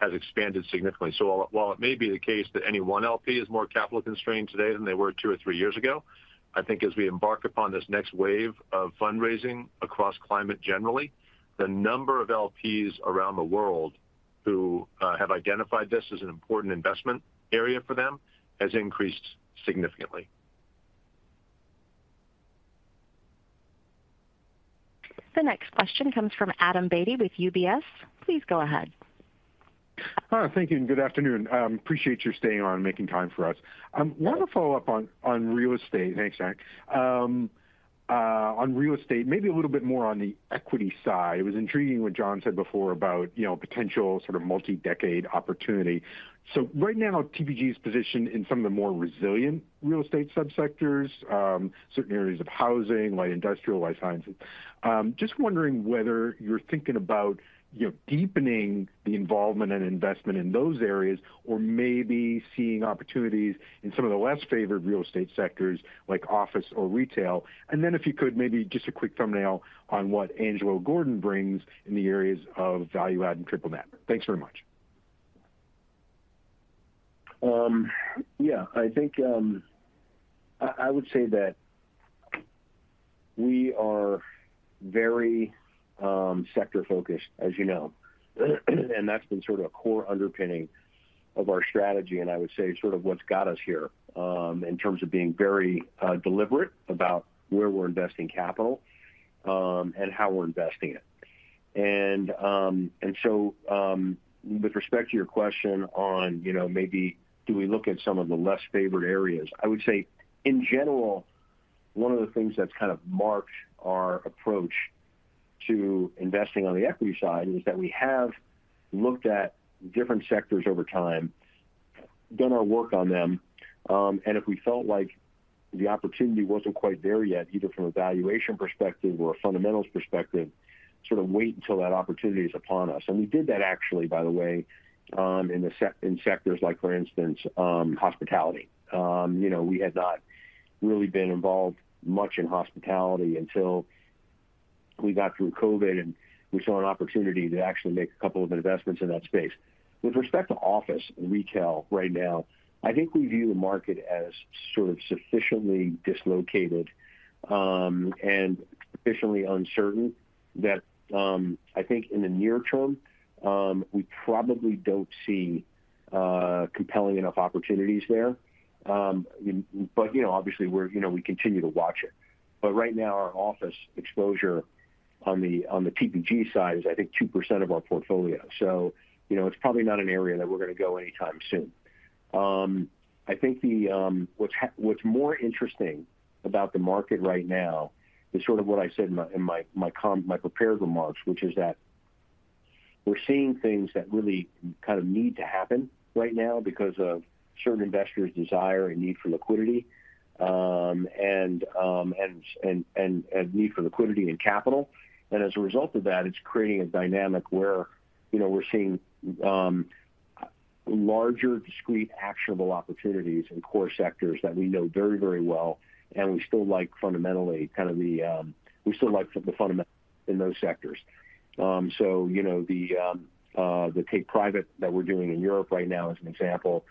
has expanded significantly. So while it may be the case that any one LP is more capital-constrained today than they were two or three years ago, I think as we embark upon this next wave of fundraising across climate, generally, the number of LPs around the world who have identified this as an important investment area for them, has increased significantly. The next question comes from Adam Beatty with UBS. Please go ahead. Hi, thank you, and good afternoon. Appreciate your staying on and making time for us. Want to follow up on real estate. Thanks, Jack. On real estate, maybe a little bit more on the equity side. It was intriguing what Jon said before about, you know, potential sort of multi-decade opportunity. So right now, TPG's positioned in some of the more resilient real estate subsectors, certain areas of housing, light industrial, life sciences. Just wondering whether you're thinking about, you know, deepening the involvement and investment in those areas or maybe seeing opportunities in some of the less favored real estate sectors like office or retail. And then if you could, maybe just a quick thumbnail on what Angelo Gordon brings in the areas of value add and triple net. Thanks very much. Yeah, I think I would say that we are very sector-focused, as you know, and that's been sort of a core underpinning of our strategy, and I would say sort of what's got us here in terms of being very deliberate about where we're investing capital and how we're investing it. And so with respect to your question on, you know, maybe do we look at some of the less favored areas? I would say in general, one of the things that's kind of marked our approach to investing on the equity side is that we have looked at different sectors over time, done our work on them, and if we felt like the opportunity wasn't quite there yet, either from a valuation perspective or a fundamentals perspective, sort of wait until that opportunity is upon us. We did that actually, by the way, in sectors like, for instance, hospitality. You know, we had not really been involved much in hospitality until we got through COVID, and we saw an opportunity to actually make a couple of investments in that space. With respect to office and retail right now, I think we view the market as sort of sufficiently dislocated, and sufficiently uncertain that, I think in the near term, we probably don't see compelling enough opportunities there. But, you know, obviously, we're, you know, we continue to watch it. But right now, our office exposure on the TPG side is, I think, 2% of our portfolio. So, you know, it's probably not an area that we're going to go anytime soon. I think the... What's more interesting about the market right now is sort of what I said in my prepared remarks, which is that we're seeing things that really kind of need to happen right now because of certain investors' desire and need for liquidity and capital. And as a result of that, it's creating a dynamic where, you know, we're seeing larger, discrete, actionable opportunities in core sectors that we know very, very well, and we still like fundamentally, kind of the fundamentals in those sectors. So, you know, the take private that we're doing in Europe right now, as an example,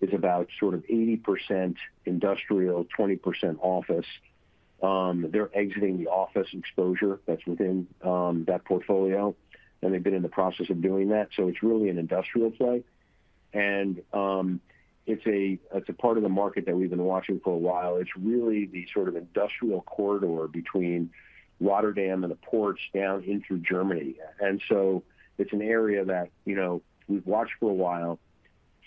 is about sort of 80% industrial, 20% office. They're exiting the office exposure that's within that portfolio, and they've been in the process of doing that. So it's really an industrial play. And it's a part of the market that we've been watching for a while. It's really the sort of industrial corridor between Rotterdam and the ports down into Germany. And so it's an area that, you know, we've watched for a while,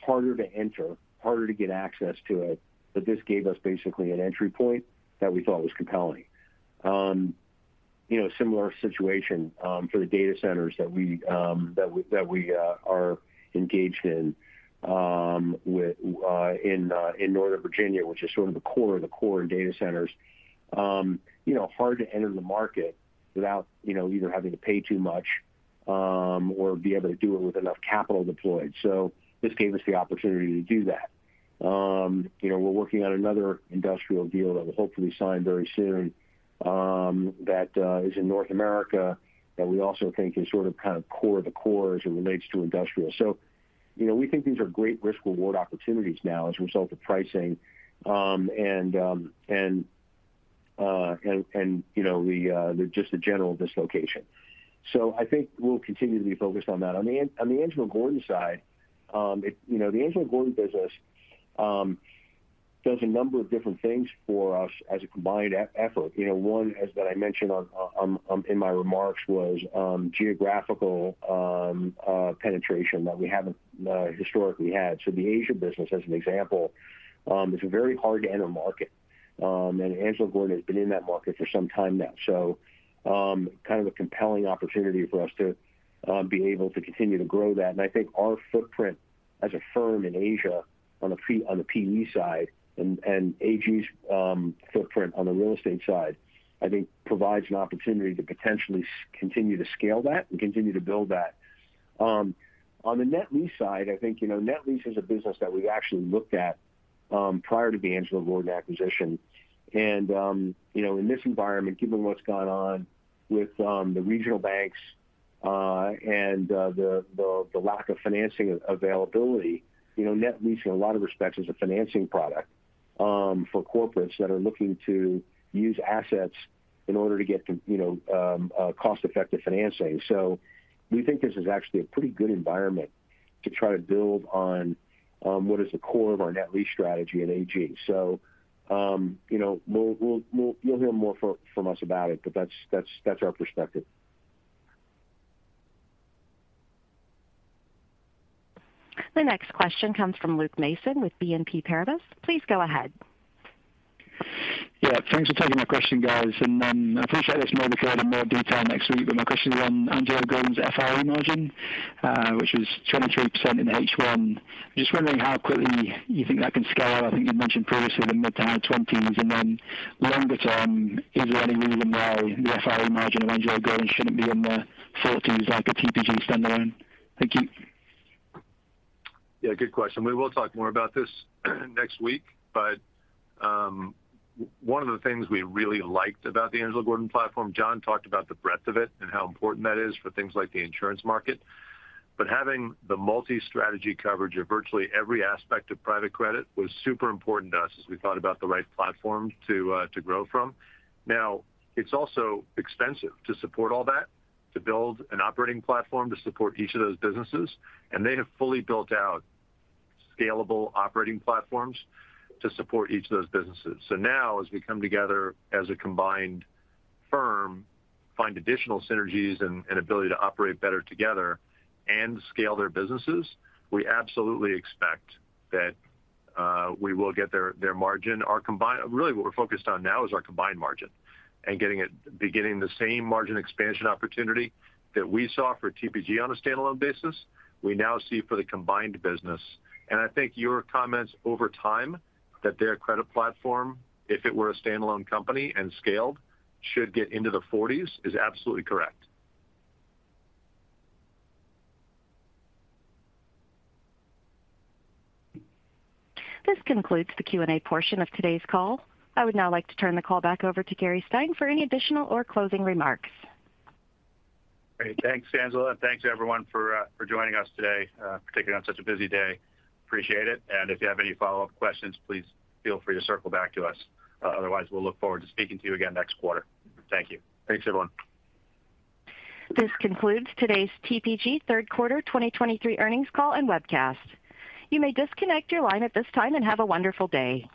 harder to enter, harder to get access to it, but this gave us basically an entry point that we thought was compelling. You know, similar situation for the data centers that we are engaged in with in Northern Virginia, which is sort of the core of the core in data centers. You know, hard to enter the market without, you know, either having to pay too much, or be able to do it with enough capital deployed. So this gave us the opportunity to do that. You know, we're working on another industrial deal that will hopefully sign very soon, that is in North America, that we also think is sort of, kind of core to core as it relates to industrial. So, you know, we think these are great risk/reward opportunities now as a result of pricing, and you know, the just the general dislocation. So I think we'll continue to be focused on that. On the Angelo Gordon side, you know, the Angelo Gordon business does a number of different things for us as a combined effort. You know, one, as that I mentioned on, in my remarks, was geographical penetration that we haven't historically had. So the Asia business, as an example, it's a very hard to enter market. And Angelo Gordon has been in that market for some time now, so kind of a compelling opportunity for us to be able to continue to grow that. And I think our footprint as a firm in Asia on the PE, on the PE side and, and AG's footprint on the real estate side, I think provides an opportunity to potentially continue to scale that and continue to build that. On the net lease side, I think, you know, net lease is a business that we actually looked at prior to the Angelo Gordon acquisition. You know, in this environment, given what's gone on with the regional banks, and the lack of financing availability, you know, net lease in a lot of respects is a financing product for corporates that are looking to use assets in order to get to, you know, cost-effective financing. So we think this is actually a pretty good environment to try to build on what is the core of our net lease strategy at AG. So, you know, we'll, you'll hear more from us about it, but that's our perspective. The next question comes from Luke Mason with BNP Paribas. Please go ahead. Yeah, thanks for taking my question, guys. And, I appreciate this may be covered in more detail next week, but my question is on Angelo Gordon's FRE margin, which is 23% in H1. Just wondering how quickly you think that can scale? I think you mentioned previously the mid- to high-20s. And then longer term, is there any reason why the FRE margin of Angelo Gordon shouldn't be in the 40s, like a TPG standalone? Thank you. Yeah, good question. We will talk more about this next week, but one of the things we really liked about the Angelo Gordon platform, Jon talked about the breadth of it and how important that is for things like the insurance market. But having the multi-strategy coverage of virtually every aspect of private credit was super important to us as we thought about the right platform to grow from. Now, it's also expensive to support all that, to build an operating platform to support each of those businesses, and they have fully built out scalable operating platforms to support each of those businesses. So now, as we come together as a combined firm, find additional synergies and ability to operate better together and scale their businesses, we absolutely expect that we will get their margin. Our combined. Really, what we're focused on now is our combined margin and getting it getting the same margin expansion opportunity that we saw for TPG on a standalone basis, we now see for the combined business. And I think your comments over time, that their credit platform, if it were a standalone company and scaled, should get into the 40s, is absolutely correct. This concludes the Q&A portion of today's call. I would now like to turn the call back over to Gary Stein for any additional or closing remarks. Great. Thanks, Angela, and thanks, everyone, for joining us today, particularly on such a busy day. Appreciate it. If you have any follow-up questions, please feel free to circle back to us. Otherwise, we'll look forward to speaking to you again next quarter. Thank you. Thanks, everyone. This concludes today's TPG third quarter 2023 earnings call and webcast. You may disconnect your line at this time and have a wonderful day.